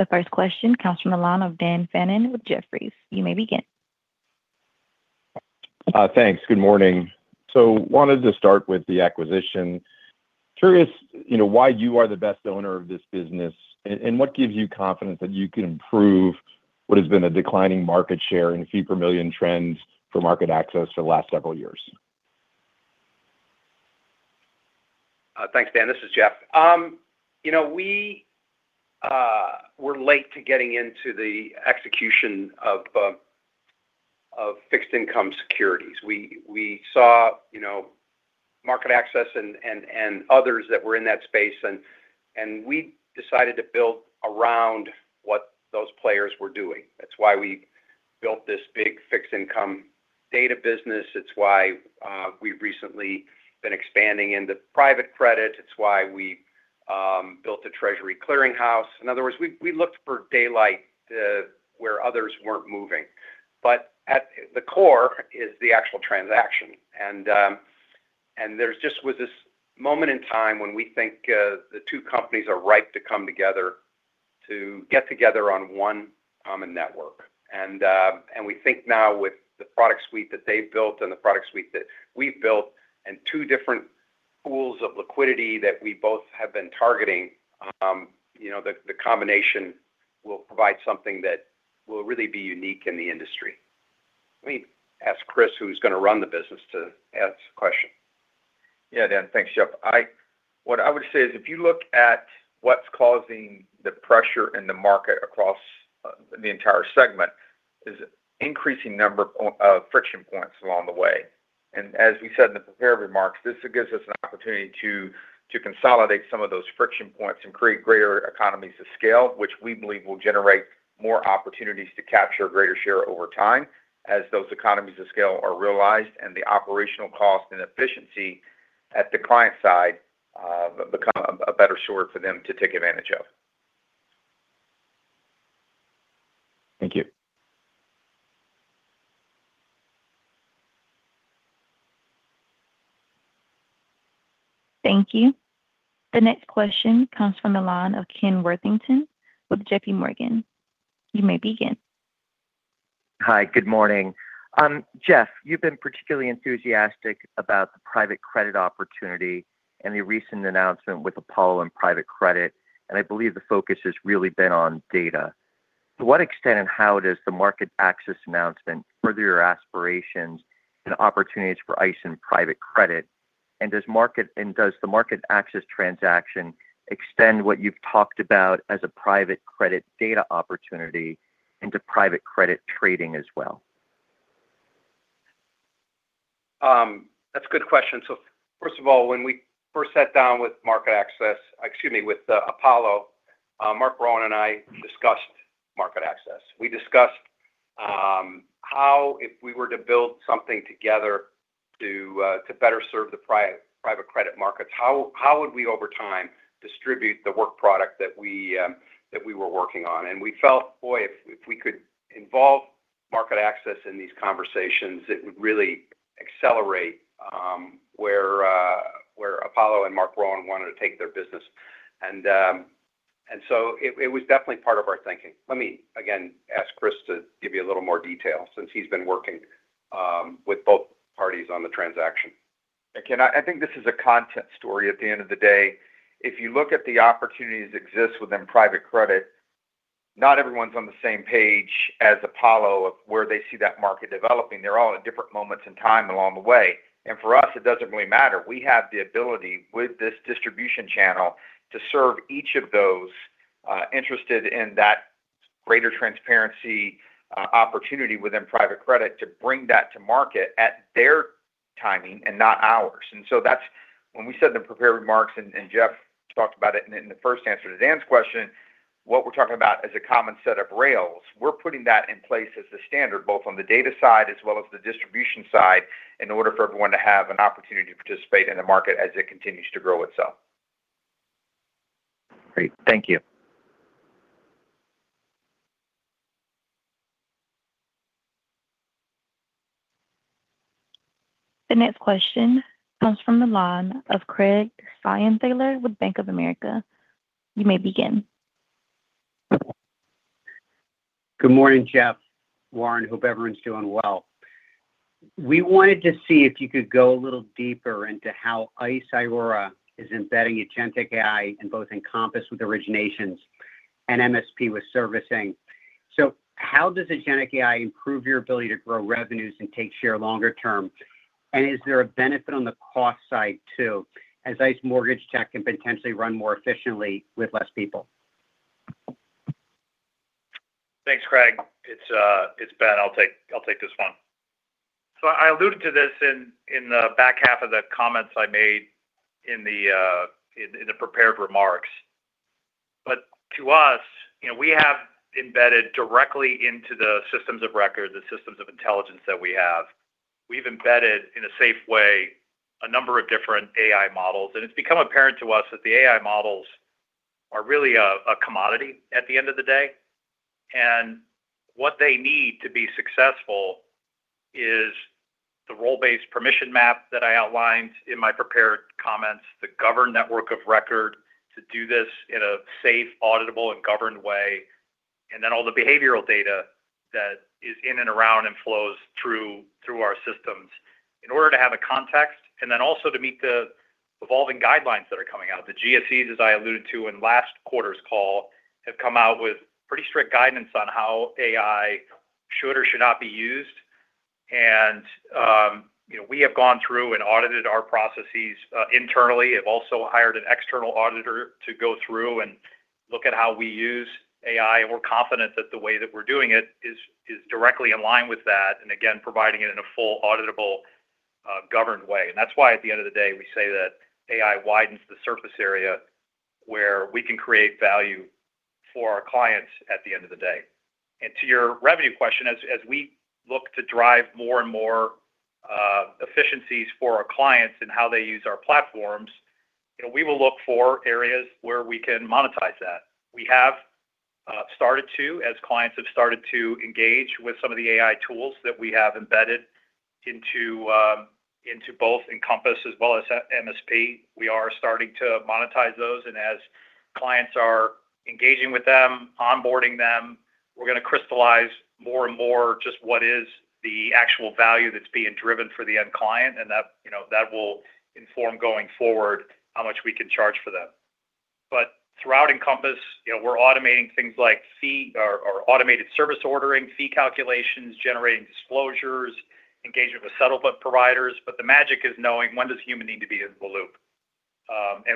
The first question comes from the line of Dan Fannon with Jefferies. You may begin. Thanks. Good morning. I wanted to start with the acquisition. Curious why you are the best owner of this business, and what gives you confidence that you can improve what has been a declining market share and fee per million trends for MarketAxess for the last several years? Thanks, Dan. This is Jeff. We were late to getting into the execution of fixed income securities. We saw MarketAxess and others that were in that space, and we decided to build around what those players were doing. That's why we built this big fixed income data business. It's why we've recently been expanding into private credit. It's why we built a Treasury clearing house. In other words, we looked for daylight where others weren't moving. At the core is the actual transaction, and there just was this moment in time when we think the two companies are ripe to come together to get together on one common network. We think now with the product suite that they've built and the product suite that we've built and two different pools of liquidity that we both have been targeting, the combination will provide something that will really be unique in the industry. Let me ask Chris, who's going to run the business, to answer the question. Dan. Thanks, Jeff. What I would say is, if you look at what's causing the pressure in the market across the entire segment, is increasing number of friction points along the way. As we said in the prepared remarks, this gives us an opportunity to consolidate some of those friction points and create greater economies of scale, which we believe will generate more opportunities to capture a greater share over time as those economies of scale are realized and the operational cost and efficiency at the client side become a better story for them to take advantage of. Thank you. Thank you. The next question comes from the line of Ken Worthington with JPMorgan. You may begin. Hi, good morning. Jeff, you've been particularly enthusiastic about the Private Credit opportunity and the recent announcement with Apollo and Private Credit, and I believe the focus has really been on data. To what extent and how does the MarketAxess announcement further your aspirations and opportunities for ICE and Private Credit? Does the MarketAxess transaction extend what you've talked about as a Private Credit data opportunity into Private Credit trading as well? That's a good question. First of all, when we first sat down with Apollo, Marc Rowan and I discussed MarketAxess. We discussed how, if we were to build something together to better serve the private credit markets, how would we, over time, distribute the work product that we were working on. We felt, boy, if we could involve MarketAxess in these conversations, it would really accelerate where Apollo and Marc Rowan wanted to take their business. It was definitely part of our thinking. Let me, again, ask Chris to give you a little more detail since he's been working with both parties on the transaction. Ken, I think this is a content story at the end of the day. If you look at the opportunities that exist within private credit. Not everyone's on the same page as Apollo of where they see that market developing. They're all at different moments in time along the way. For us, it doesn't really matter. We have the ability with this distribution channel to serve each of those interested in that greater transparency opportunity within private credit to bring that to market at their timing and not ours. When we said the prepared remarks, Jeff talked about it in the first answer to Dan's question, what we're talking about is a common set of rails. We're putting that in place as the standard, both on the data side as well as the distribution side, in order for everyone to have an opportunity to participate in the market as it continues to grow itself. Great. Thank you. The next question comes from the line of Craig Siegenthaler with Bank of America. You may begin. Good morning, Jeff, Warren. Hope everyone's doing well. We wanted to see if you could go a little deeper into how ICE Aurora is embedding agentic AI in both Encompass with originations and MSP with servicing. How does agentic AI improve your ability to grow revenues and take share longer term? Is there a benefit on the cost side, too, as ICE Mortgage Technology can potentially run more efficiently with less people? Thanks, Craig. It's Ben. I'll take this one. I alluded to this in the back half of the comments I made in the prepared remarks. To us, we have embedded directly into the systems of record, the systems of intelligence that we have. We've embedded, in a safe way, a number of different AI models, and it's become apparent to us that the AI models are really a commodity at the end of the day. What they need to be successful is the role-based permission map that I outlined in my prepared comments, the governed network of record to do this in a safe, auditable, and governed way. Then all the behavioral data that is in and around and flows through our systems in order to have a context, and then also to meet the evolving guidelines that are coming out. The GSEs, as I alluded to in last quarter's call, have come out with pretty strict guidance on how AI should or should not be used. We have gone through and audited our processes internally, have also hired an external auditor to go through and look at how we use AI, and we're confident that the way that we're doing it is directly in line with that, and again, providing it in a full, auditable, governed way. That's why at the end of the day, we say that AI widens the surface area where we can create value for our clients at the end of the day. To your revenue question, as we look to drive more and more efficiencies for our clients and how they use our platforms, we will look for areas where we can monetize that. We have started to, as clients have started to engage with some of the AI tools that we have embedded into both Encompass as well as MSP. We are starting to monetize those, as clients are engaging with them, onboarding them, we're going to crystallize more and more just what is the actual value that's being driven for the end client, and that will inform going forward how much we can charge for them. Throughout Encompass, we're automating things like automated service ordering, fee calculations, generating disclosures, engagement with settlement providers, but the magic is knowing when does human need to be in the loop?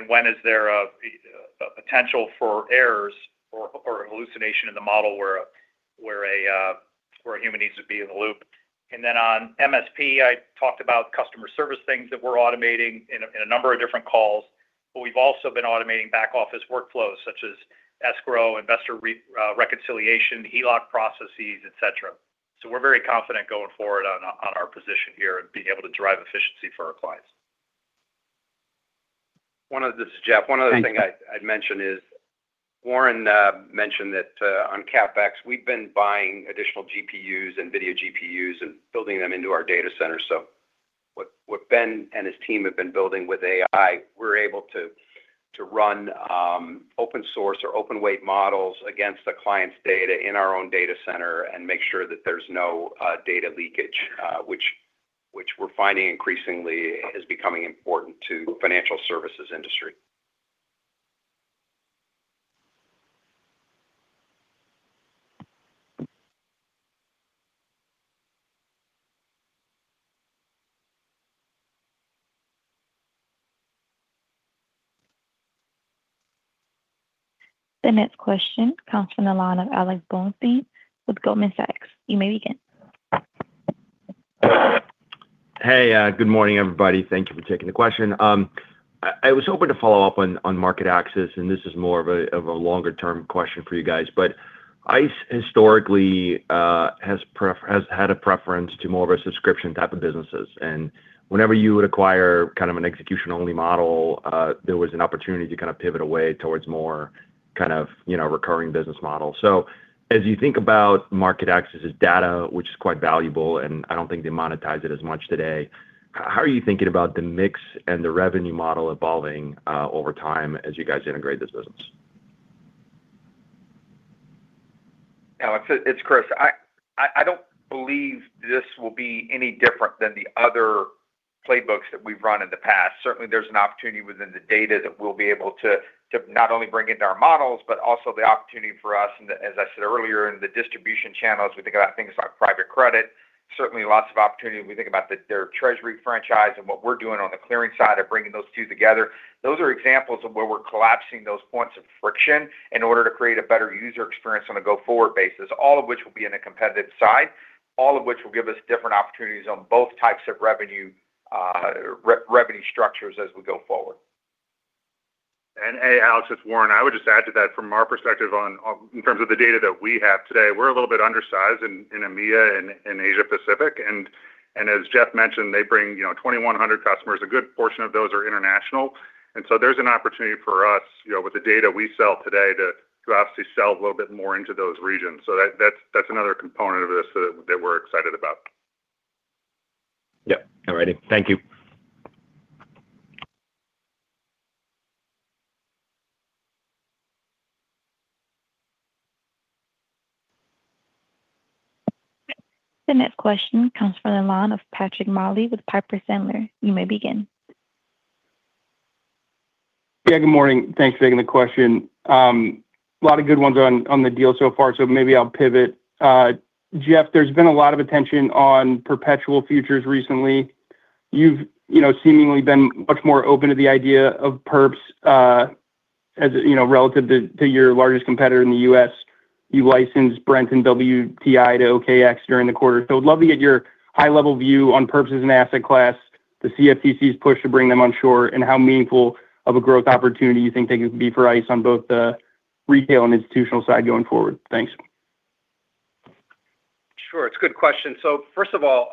When is there a potential for errors or a hallucination in the model where a human needs to be in the loop. On MSP, I talked about customer service things that we're automating in a number of different calls. We've also been automating back-office workflows such as escrow, investor reconciliation, HELOC processes, etc. We're very confident going forward on our position here and being able to drive efficiency for our clients. This is Jeff. One other thing I'd mention is Warren mentioned that on CapEx, we've been buying additional GPUs, NVIDIA GPUs, and building them into our data center. What Ben and his team have been building with AI, we're able to run open source or open weight models against the client's data in our own data center and make sure that there's no data leakage, which we're finding increasingly is becoming important to financial services industry. The next question comes from the line of Alex Blostein with Goldman Sachs. You may begin. Hey, good morning, everybody. Thank you for taking the question. I was hoping to follow up on MarketAxess. This is more of a longer-term question for you guys. ICE historically has had a preference to more of a subscription type of businesses. Whenever you would acquire kind of an execution-only model, there was an opportunity to kind of pivot away towards more kind of recurring business model. As you think about MarketAxess' data, which is quite valuable, and I don't think they monetize it as much today. How are you thinking about the mix and the revenue model evolving over time as you guys integrate this business? Alex, it's Chris. I don't believe this will be any different than the other playbooks that we've run in the past. Certainly, there's an opportunity within the data that we'll be able to not only bring into our models, but also the opportunity for us, and as I said earlier, in the distribution channels, we think about things like private credit. Certainly lots of opportunity when we think about their treasury franchise and what we're doing on the clearing side of bringing those two together. Those are examples of where we're collapsing those points of friction in order to create a better user experience on a go-forward basis, all of which will be in a competitive side, all of which will give us different opportunities on both types of revenue structures as we go forward. Alex, it's Warren. I would just add to that from our perspective in terms of the data that we have today, we're a little bit undersized in EMEA and in Asia Pacific. As Jeff mentioned, they bring 2,100 customers. A good portion of those are international. There's an opportunity for us, with the data we sell today, to obviously sell a little bit more into those regions. That's another component of this that we're excited about. Yep. All righty. Thank you. The next question comes from the line of Patrick Moley with Piper Sandler. You may begin. Yeah, good morning. Thanks for taking the question. A lot of good ones on the deal so far, maybe I'll pivot. Jeff, there's been a lot of attention on perpetual futures recently. You've seemingly been much more open to the idea of perps as relative to your largest competitor in the U.S. You licensed Brent and WTI to OKX during the quarter. I would love to get your high-level view on perps as an asset class, the CFTC's push to bring them on shore, and how meaningful of a growth opportunity you think they could be for ICE on both the retail and institutional side going forward. Thanks. Sure. It's a good question. First of all,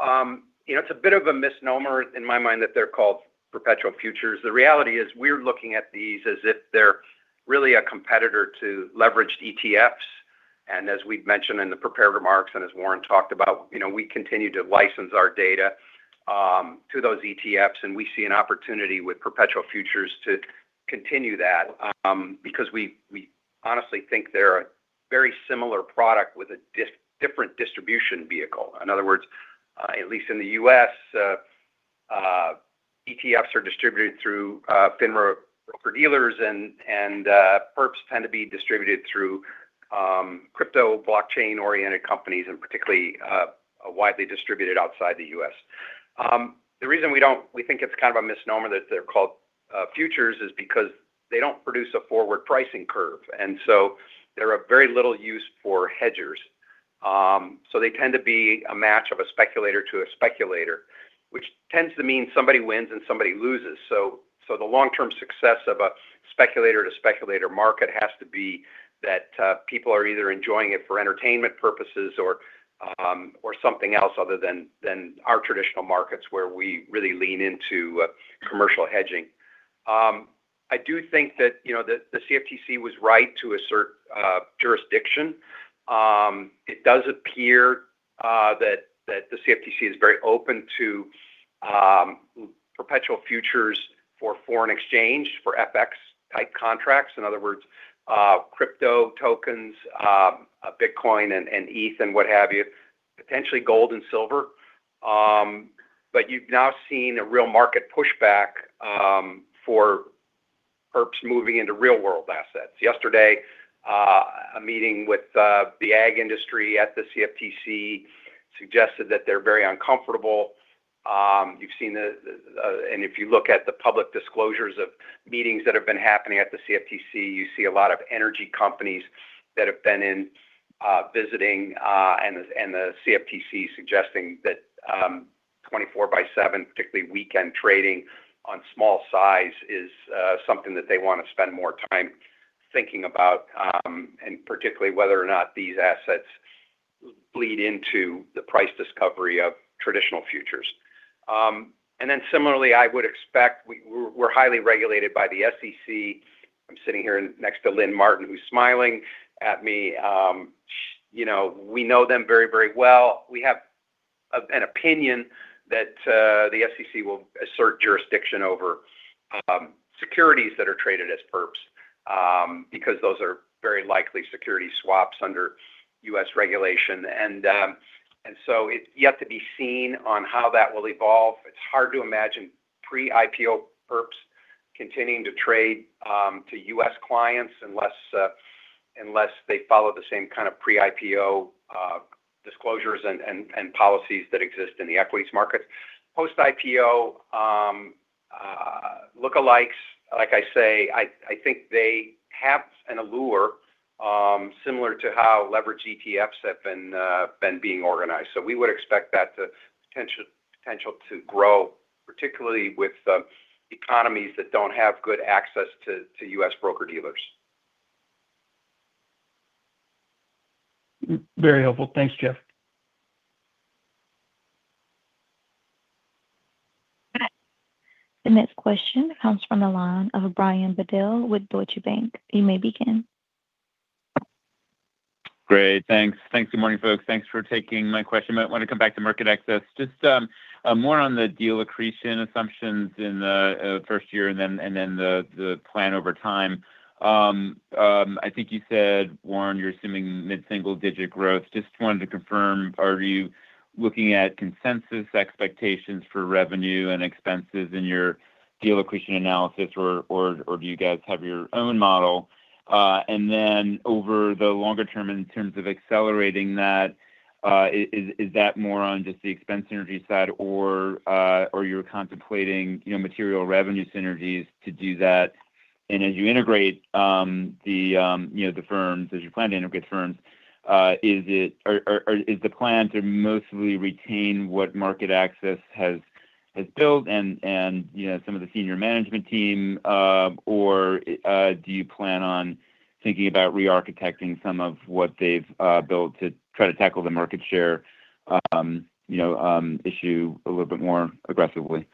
it's a bit of a misnomer in my mind that they're called perpetual futures. The reality is, we're looking at these as if they're really a competitor to leveraged ETFs. As we've mentioned in the prepared remarks and as Warren talked about, we continue to license our data to those ETFs, and we see an opportunity with perpetual futures to continue that because we honestly think they're a very similar product with a different distribution vehicle. In other words, at least in the U.S., ETFs are distributed through FINRA broker-dealers and perps tend to be distributed through crypto, blockchain-oriented companies, and particularly widely distributed outside the U.S. The reason we think it's kind of a misnomer that they're called futures is because they don't produce a forward pricing curve, and so they're of very little use for hedgers. They tend to be a match of a speculator to a speculator, which tends to mean somebody wins and somebody loses. The long-term success of a speculator-to-speculator market has to be that people are either enjoying it for entertainment purposes or something else other than our traditional markets where we really lean into commercial hedging. I do think that the CFTC was right to assert jurisdiction. It does appear that the CFTC is very open to perpetual futures for foreign exchange, for FX-type contracts. In other words, crypto tokens, Bitcoin and ETH and what have you, potentially gold and silver. You've now seen a real market pushback for perps moving into real-world assets. Yesterday, a meeting with the ag industry at the CFTC suggested that they're very uncomfortable. If you look at the public disclosures of meetings that have been happening at the CFTC, you see a lot of energy companies that have been in visiting, and the CFTC suggesting that 24 by seven, particularly weekend trading on small size, is something that they want to spend more time thinking about, and particularly whether or not these assets bleed into the price discovery of traditional futures. Similarly, I would expect we're highly regulated by the SEC. I'm sitting here next to Lynn Martin, who's smiling at me. We know them very, very well. We have an opinion that the SEC will assert jurisdiction over securities that are traded as perps, because those are very likely security swaps under U.S. regulation. It's yet to be seen on how that will evolve. It's hard to imagine pre-IPO perps continuing to trade to U.S. clients unless they follow the same kind of pre-IPO disclosures and policies that exist in the equities market. Post-IPO lookalikes, like I say, I think they have an allure similar to how leverage ETFs have been being organized. We would expect that potential to grow, particularly with economies that don't have good access to U.S. broker-dealers. Very helpful. Thanks, Jeff. The next question comes from the line of Brian Bedell with Deutsche Bank. You may begin. Great. Thanks. Good morning, folks. Thanks for taking my question. Might want to come back to MarketAxess. Just more on the deal accretion assumptions in the first year and then the plan over time. I think you said, Warren, you're assuming mid-single digit growth. Just wanted to confirm, are you looking at consensus expectations for revenue and expenses in your deal accretion analysis, or do you guys have your own model? Then over the longer term, in terms of accelerating that, is that more on just the expense synergy side or you're contemplating material revenue synergies to do that? As you plan to integrate firms, is the plan to mostly retain what MarketAxess has built and some of the senior management team, or do you plan on thinking about re-architecting some of what they've built to try to tackle the market share issue a little bit more aggressively?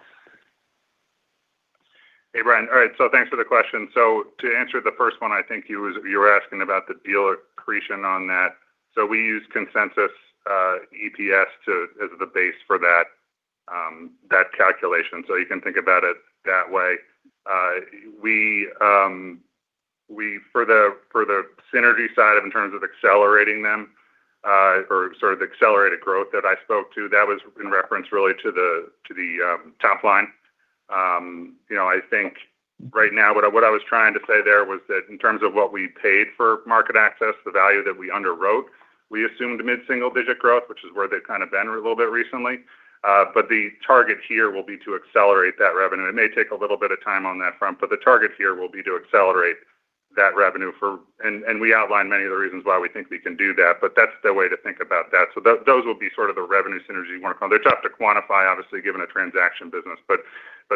Hey, Brian. All right. Thanks for the question. To answer the first one, I think you were asking about the deal accretion on that. We used consensus EPS as the base for that calculation. You can think about it that way. For the synergy side, in terms of accelerating them or sort of the accelerated growth that I spoke to, that was in reference really to the top line. I think right now, what I was trying to say there was that in terms of what we paid for MarketAxess, the value that we underwrote, we assumed mid-single digit growth, which is where they've kind of been a little bit recently. The target here will be to accelerate that revenue. It may take a little bit of time on that front, but the target here will be to accelerate that revenue. We outlined many of the reasons why we think we can do that's the way to think about that. Those will be sort of the revenue synergy you want to call. They're tough to quantify, obviously, given a transaction business, but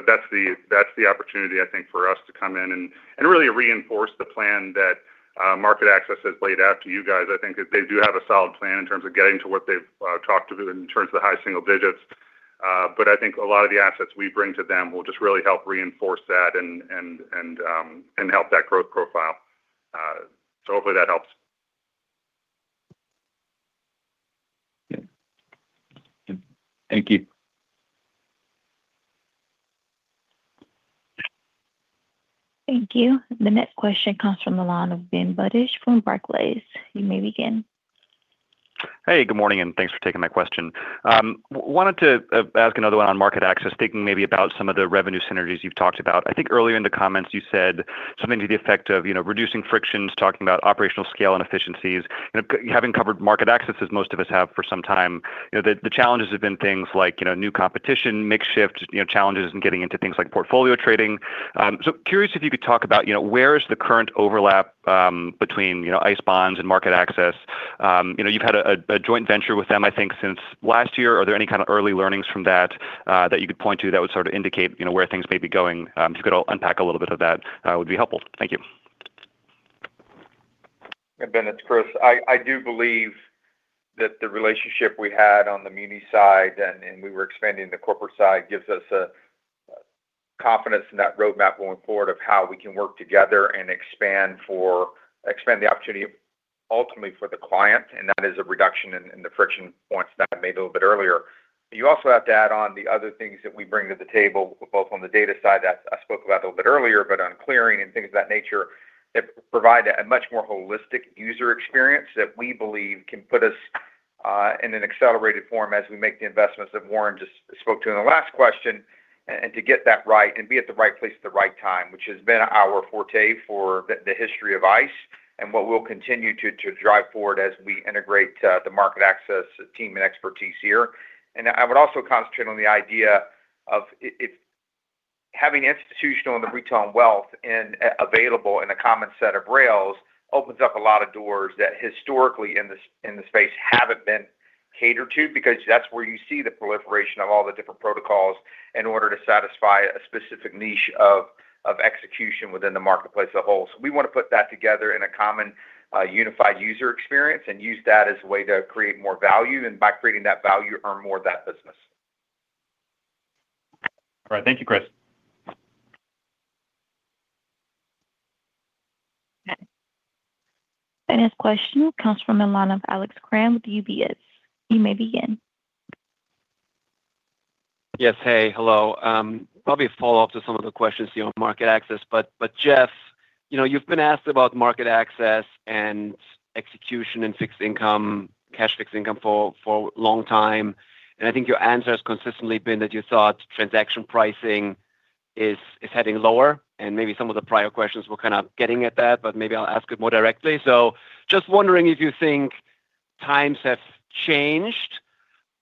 that's the opportunity, I think, for us to come in and really reinforce the plan that MarketAxess has laid out to you guys. I think that they do have a solid plan in terms of getting to what they've talked to in terms of the high single digits. I think a lot of the assets we bring to them will just really help reinforce that and help that growth profile. Hopefully that helps. Yeah. Thank you. Thank you. The next question comes from the line of Ben Budish from Barclays. You may begin. Hey, good morning, thanks for taking my question. Wanted to ask another one on MarketAxess, thinking maybe about some of the revenue synergies you've talked about. I think earlier in the comments you said something to the effect of reducing frictions, talking about operational scale and efficiencies. Having covered MarketAxess as most of us have for some time, the challenges have been things like new competition, makeshift challenges in getting into things like portfolio trading. Curious if you could talk about where is the current overlap between ICE Bonds and MarketAxess. You've had a joint venture with them, I think, since last year. Are there any kind of early learnings from that that you could point to that would sort of indicate where things may be going? If you could unpack a little bit of that, would be helpful. Thank you. Ben, it's Chris. I do believe that the relationship we had on the muni side, we were expanding the corporate side, gives us a confidence in that roadmap going forward of how we can work together and expand the opportunity ultimately for the client, and that is a reduction in the friction points that I made a little bit earlier. You also have to add on the other things that we bring to the table, both on the data side that I spoke about a little bit earlier, but on clearing and things of that nature that provide a much more holistic user experience that we believe can put us in an accelerated form as we make the investments that Warren just spoke to in the last question. To get that right and be at the right place at the right time, which has been our forte for the history of ICE and what we will continue to drive forward as we integrate the MarketAxess team and expertise here. I would also concentrate on the idea of if having institutional and the retail and wealth available in a common set of rails opens up a lot of doors that historically in the space haven't been catered to, because that is where you see the proliferation of all the different protocols in order to satisfy a specific niche of execution within the marketplace as a whole. We want to put that together in a common, unified user experience and use that as a way to create more value. By creating that value, earn more of that business. All right. Thank you, Chris. Next question comes from the line of Alex Kramm with UBS. You may begin. Yes. Hey. Hello. Probably a follow-up to some of the questions on MarketAxess. Jeff, you've been asked about MarketAxess and execution and fixed income, cash fixed income for a long time, and I think your answer has consistently been that you thought transaction pricing is heading lower, and maybe some of the prior questions were kind of getting at that. Maybe I'll ask it more directly. Just wondering if you think times have changed,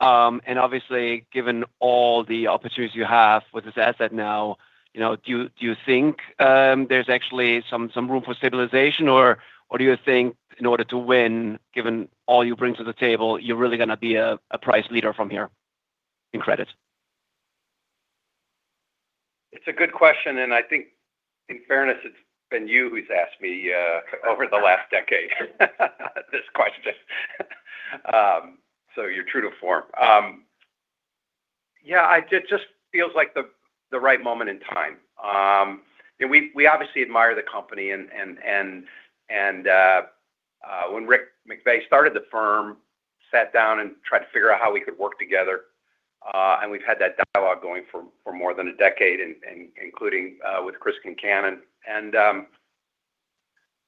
and obviously given all the opportunities you have with this asset now, do you think there's actually some room for stabilization? Or do you think in order to win, given all you bring to the table, you're really going to be a price leader from here in credit? It's a good question, and I think in fairness, it's been you who's asked me over the last decade this question. You're true to form. Yeah, it just feels like the right moment in time. We obviously admire the company and when Rick McVey started the firm, sat down and tried to figure out how we could work together, and we've had that dialogue going for more than a decade, including with Chris Concannon.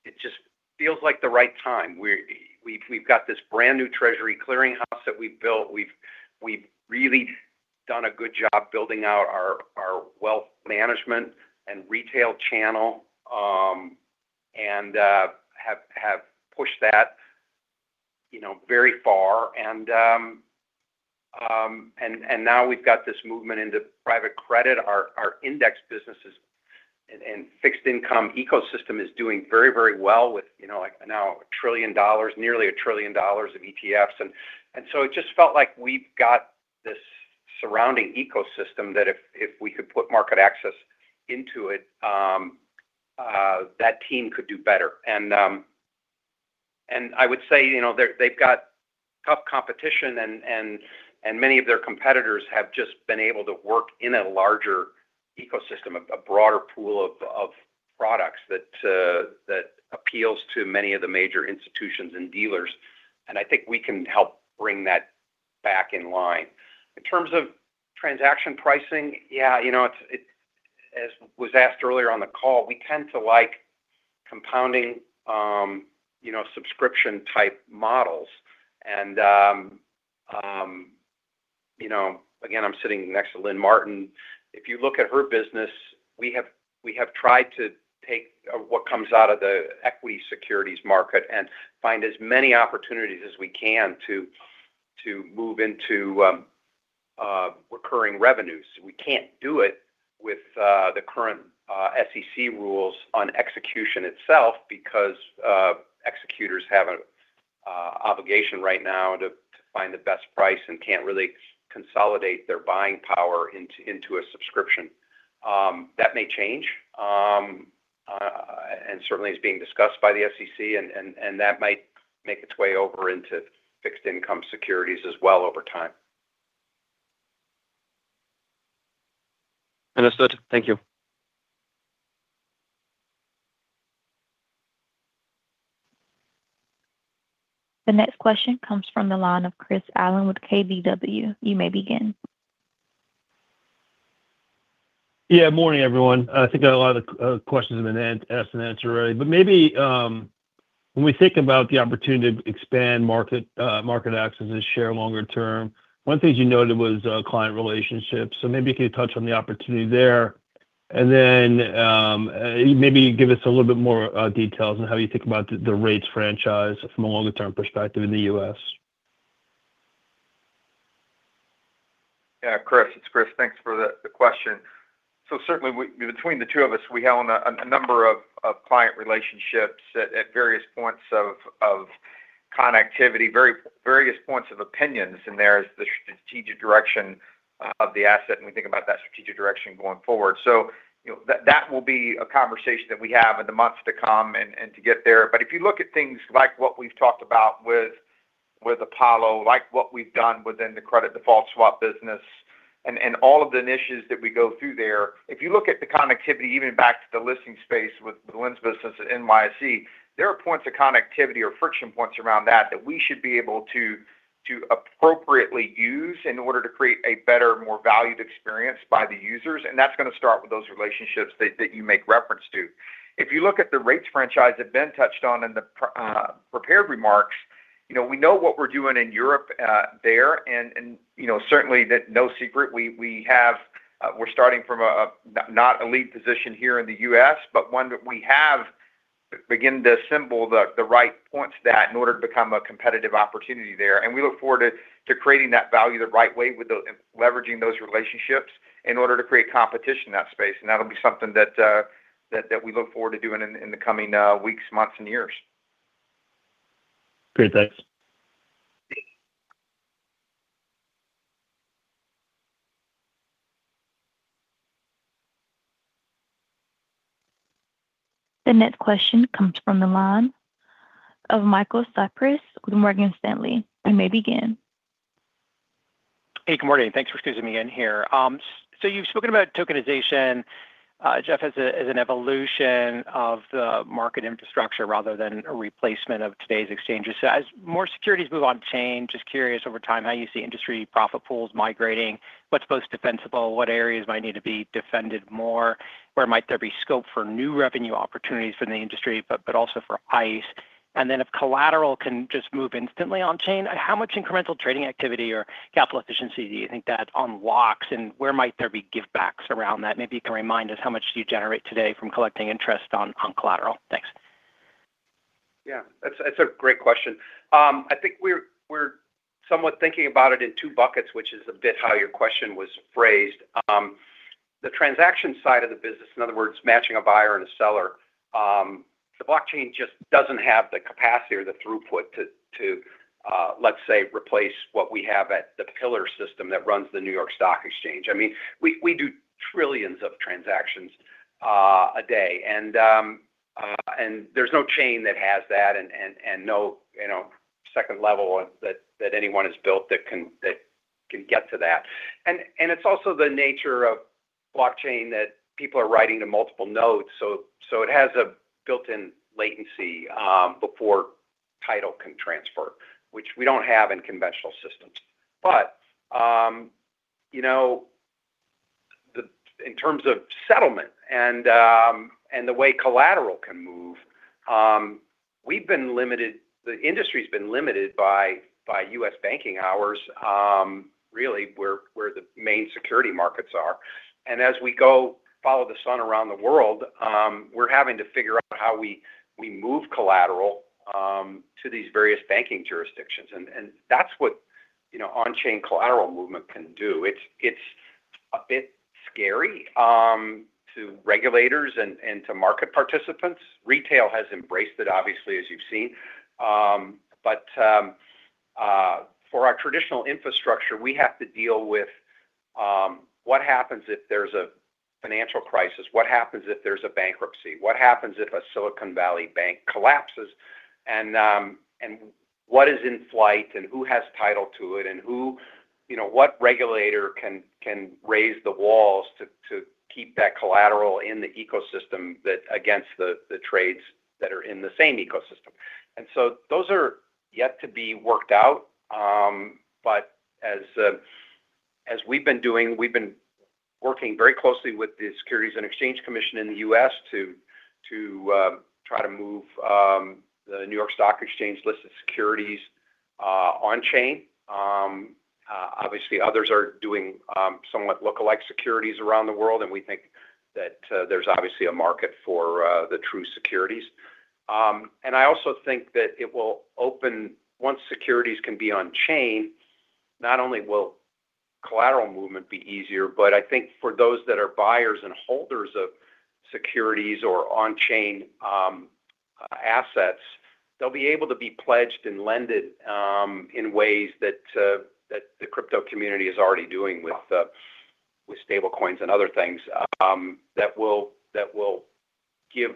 It just feels like the right time. We've got this brand new treasury clearing house that we've built. We've really done a good job building out our wealth management and retail channel, and have pushed that very far. Now we've got this movement into private credit. Our index businesses and fixed income ecosystem is doing very well with nearly $1 trillion of ETFs. It just felt like we've got this surrounding ecosystem that if we could put MarketAxess into it, that team could do better. I would say, they've got tough competition and many of their competitors have just been able to work in a larger ecosystem, a broader pool of products that appeals to many of the major institutions and dealers. I think we can help bring that back in line. In terms of transaction pricing, as was asked earlier on the call, we tend to like compounding subscription-type models. Again, I'm sitting next to Lynn Martin. If you look at her business, we have tried to take what comes out of the equity securities market and find as many opportunities as we can to move into recurring revenues. We can't do it with the current SEC rules on execution itself because executors have an obligation right now to find the best price and can't really consolidate their buying power into a subscription. That may change. Certainly is being discussed by the SEC, and that might make its way over into fixed income securities as well over time. Understood. Thank you. The next question comes from the line of Chris Allen with KBW. You may begin. Morning, everyone. I think a lot of the questions have been asked and answered already. Maybe when we think about the opportunity to expand MarketAxess' share longer term, one of the things you noted was client relationships. Maybe if you could touch on the opportunity there, and then maybe give us a little bit more details on how you think about the rates franchise from a longer-term perspective in the U.S. Chris. It's Chris. Thanks for the question. Certainly between the two of us, we have a number of client relationships at various points of connectivity, various points of opinions in there as the strategic direction of the asset, and we think about that strategic direction going forward. That will be a conversation that we have in the months to come and to get there. If you look at things like what we've talked about with Apollo, like what we've done within the credit default swap business and all of the initiatives that we go through there. If you look at the connectivity, even back to the listing space with Lynn's business at NYSE, there are points of connectivity or friction points around that that we should be able to appropriately use in order to create a better, more valued experience by the users, and that's going to start with those relationships that you make reference to. If you look at the rates franchise that Ben touched on in the prepared remarks, we know what we're doing in Europe there, certainly no secret. We're starting from not a lead position here in the U.S., but one that we have begin to assemble the right points that in order to become a competitive opportunity there. We look forward to creating that value the right way with leveraging those relationships in order to create competition in that space. That'll be something that we look forward to doing in the coming weeks, months, and years. Great. Thanks. The next question comes from the line of Michael Cyprys with Morgan Stanley. You may begin. Hey, good morning. Thanks for squeezing me in here. You've spoken about tokenization, Jeff, as an evolution of the market infrastructure rather than a replacement of today's exchanges. As more securities move on-chain, just curious over time how you see industry profit pools migrating, what's most defensible, what areas might need to be defended more, where might there be scope for new revenue opportunities for the industry, but also for ICE. If collateral can just move instantly on-chain. How much incremental trading activity or capital efficiency do you think that unlocks, and where might there be give backs around that? Maybe you can remind us how much do you generate today from collecting interest on collateral? Thanks. Yeah. That's a great question. I think we're somewhat thinking about it in two buckets, which is a bit how your question was phrased. The transaction side of the business, in other words, matching a buyer and a seller. The blockchain just doesn't have the capacity or the throughput to let's say replace what we have at the Pillar system that runs the New York Stock Exchange. We do trillions of transactions a day, and there's no chain that has that and no second level that anyone has built that can get to that. It's also the nature of blockchain that people are writing to multiple nodes, so it has a built-in latency before title can transfer, which we don't have in conventional systems. In terms of settlement and the way collateral can move, the industry's been limited by U.S. banking hours, really, where the main security markets are. As we go follow the sun around the world, we're having to figure out how we move collateral to these various banking jurisdictions. That's what on-chain collateral movement can do. It's a bit scary to regulators and to market participants. Retail has embraced it, obviously, as you've seen. But for our traditional infrastructure, we have to deal with what happens if there's a financial crisis? What happens if there's a bankruptcy? What happens if a Silicon Valley Bank collapses? What is in flight and who has title to it and what regulator can raise the walls to keep that collateral in the ecosystem against the trades that are in the same ecosystem? Those are yet to be worked out. As we've been doing, we've been working very closely with the Securities and Exchange Commission in the U.S. to try to move the New York Stock Exchange list of securities on-chain. Obviously, others are doing somewhat lookalike securities around the world, and we think that there's obviously a market for the true securities. I also think that it will open, once securities can be on-chain, not only will collateral movement be easier, but I think for those that are buyers and holders of securities or on-chain assets. They'll be able to be pledged and lended in ways that the crypto community is already doing with stablecoins and other things that will give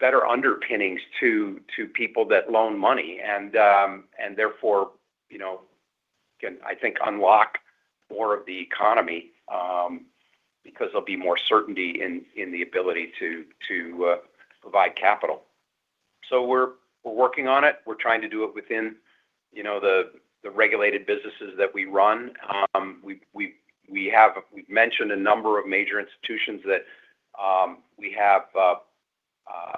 better underpinnings to people that loan money and therefore, can, I think, unlock more of the economy because there'll be more certainty in the ability to provide capital. We're working on it. We're trying to do it within the regulated businesses that we run. We've mentioned a number of major institutions that we have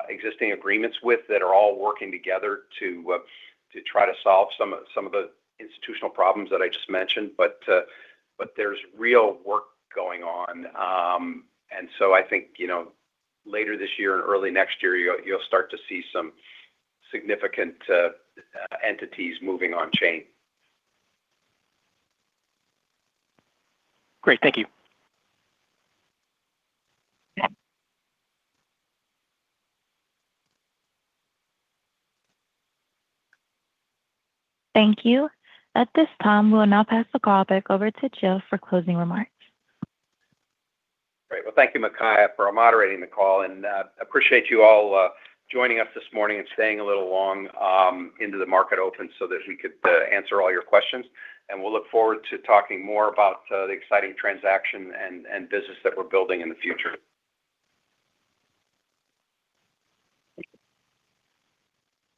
existing agreements with that are all working together to try to solve some of the institutional problems that I just mentioned, but there's real work going on. I think later this year and early next year, you'll start to see some significant entities moving on-chain. Great. Thank you. Thank you. At this time, we'll now pass the call back over to Jeff for closing remarks. Great. Thank you, Micaiah, for moderating the call. Appreciate you all joining us this morning and staying a little long into the market open so that we could answer all your questions. We'll look forward to talking more about the exciting transaction and business that we're building in the future.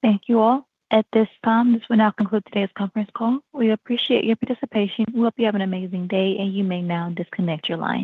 Thank you all. At this time, this will now conclude today's conference call. We appreciate your participation. We hope you have an amazing day. You may now disconnect your line.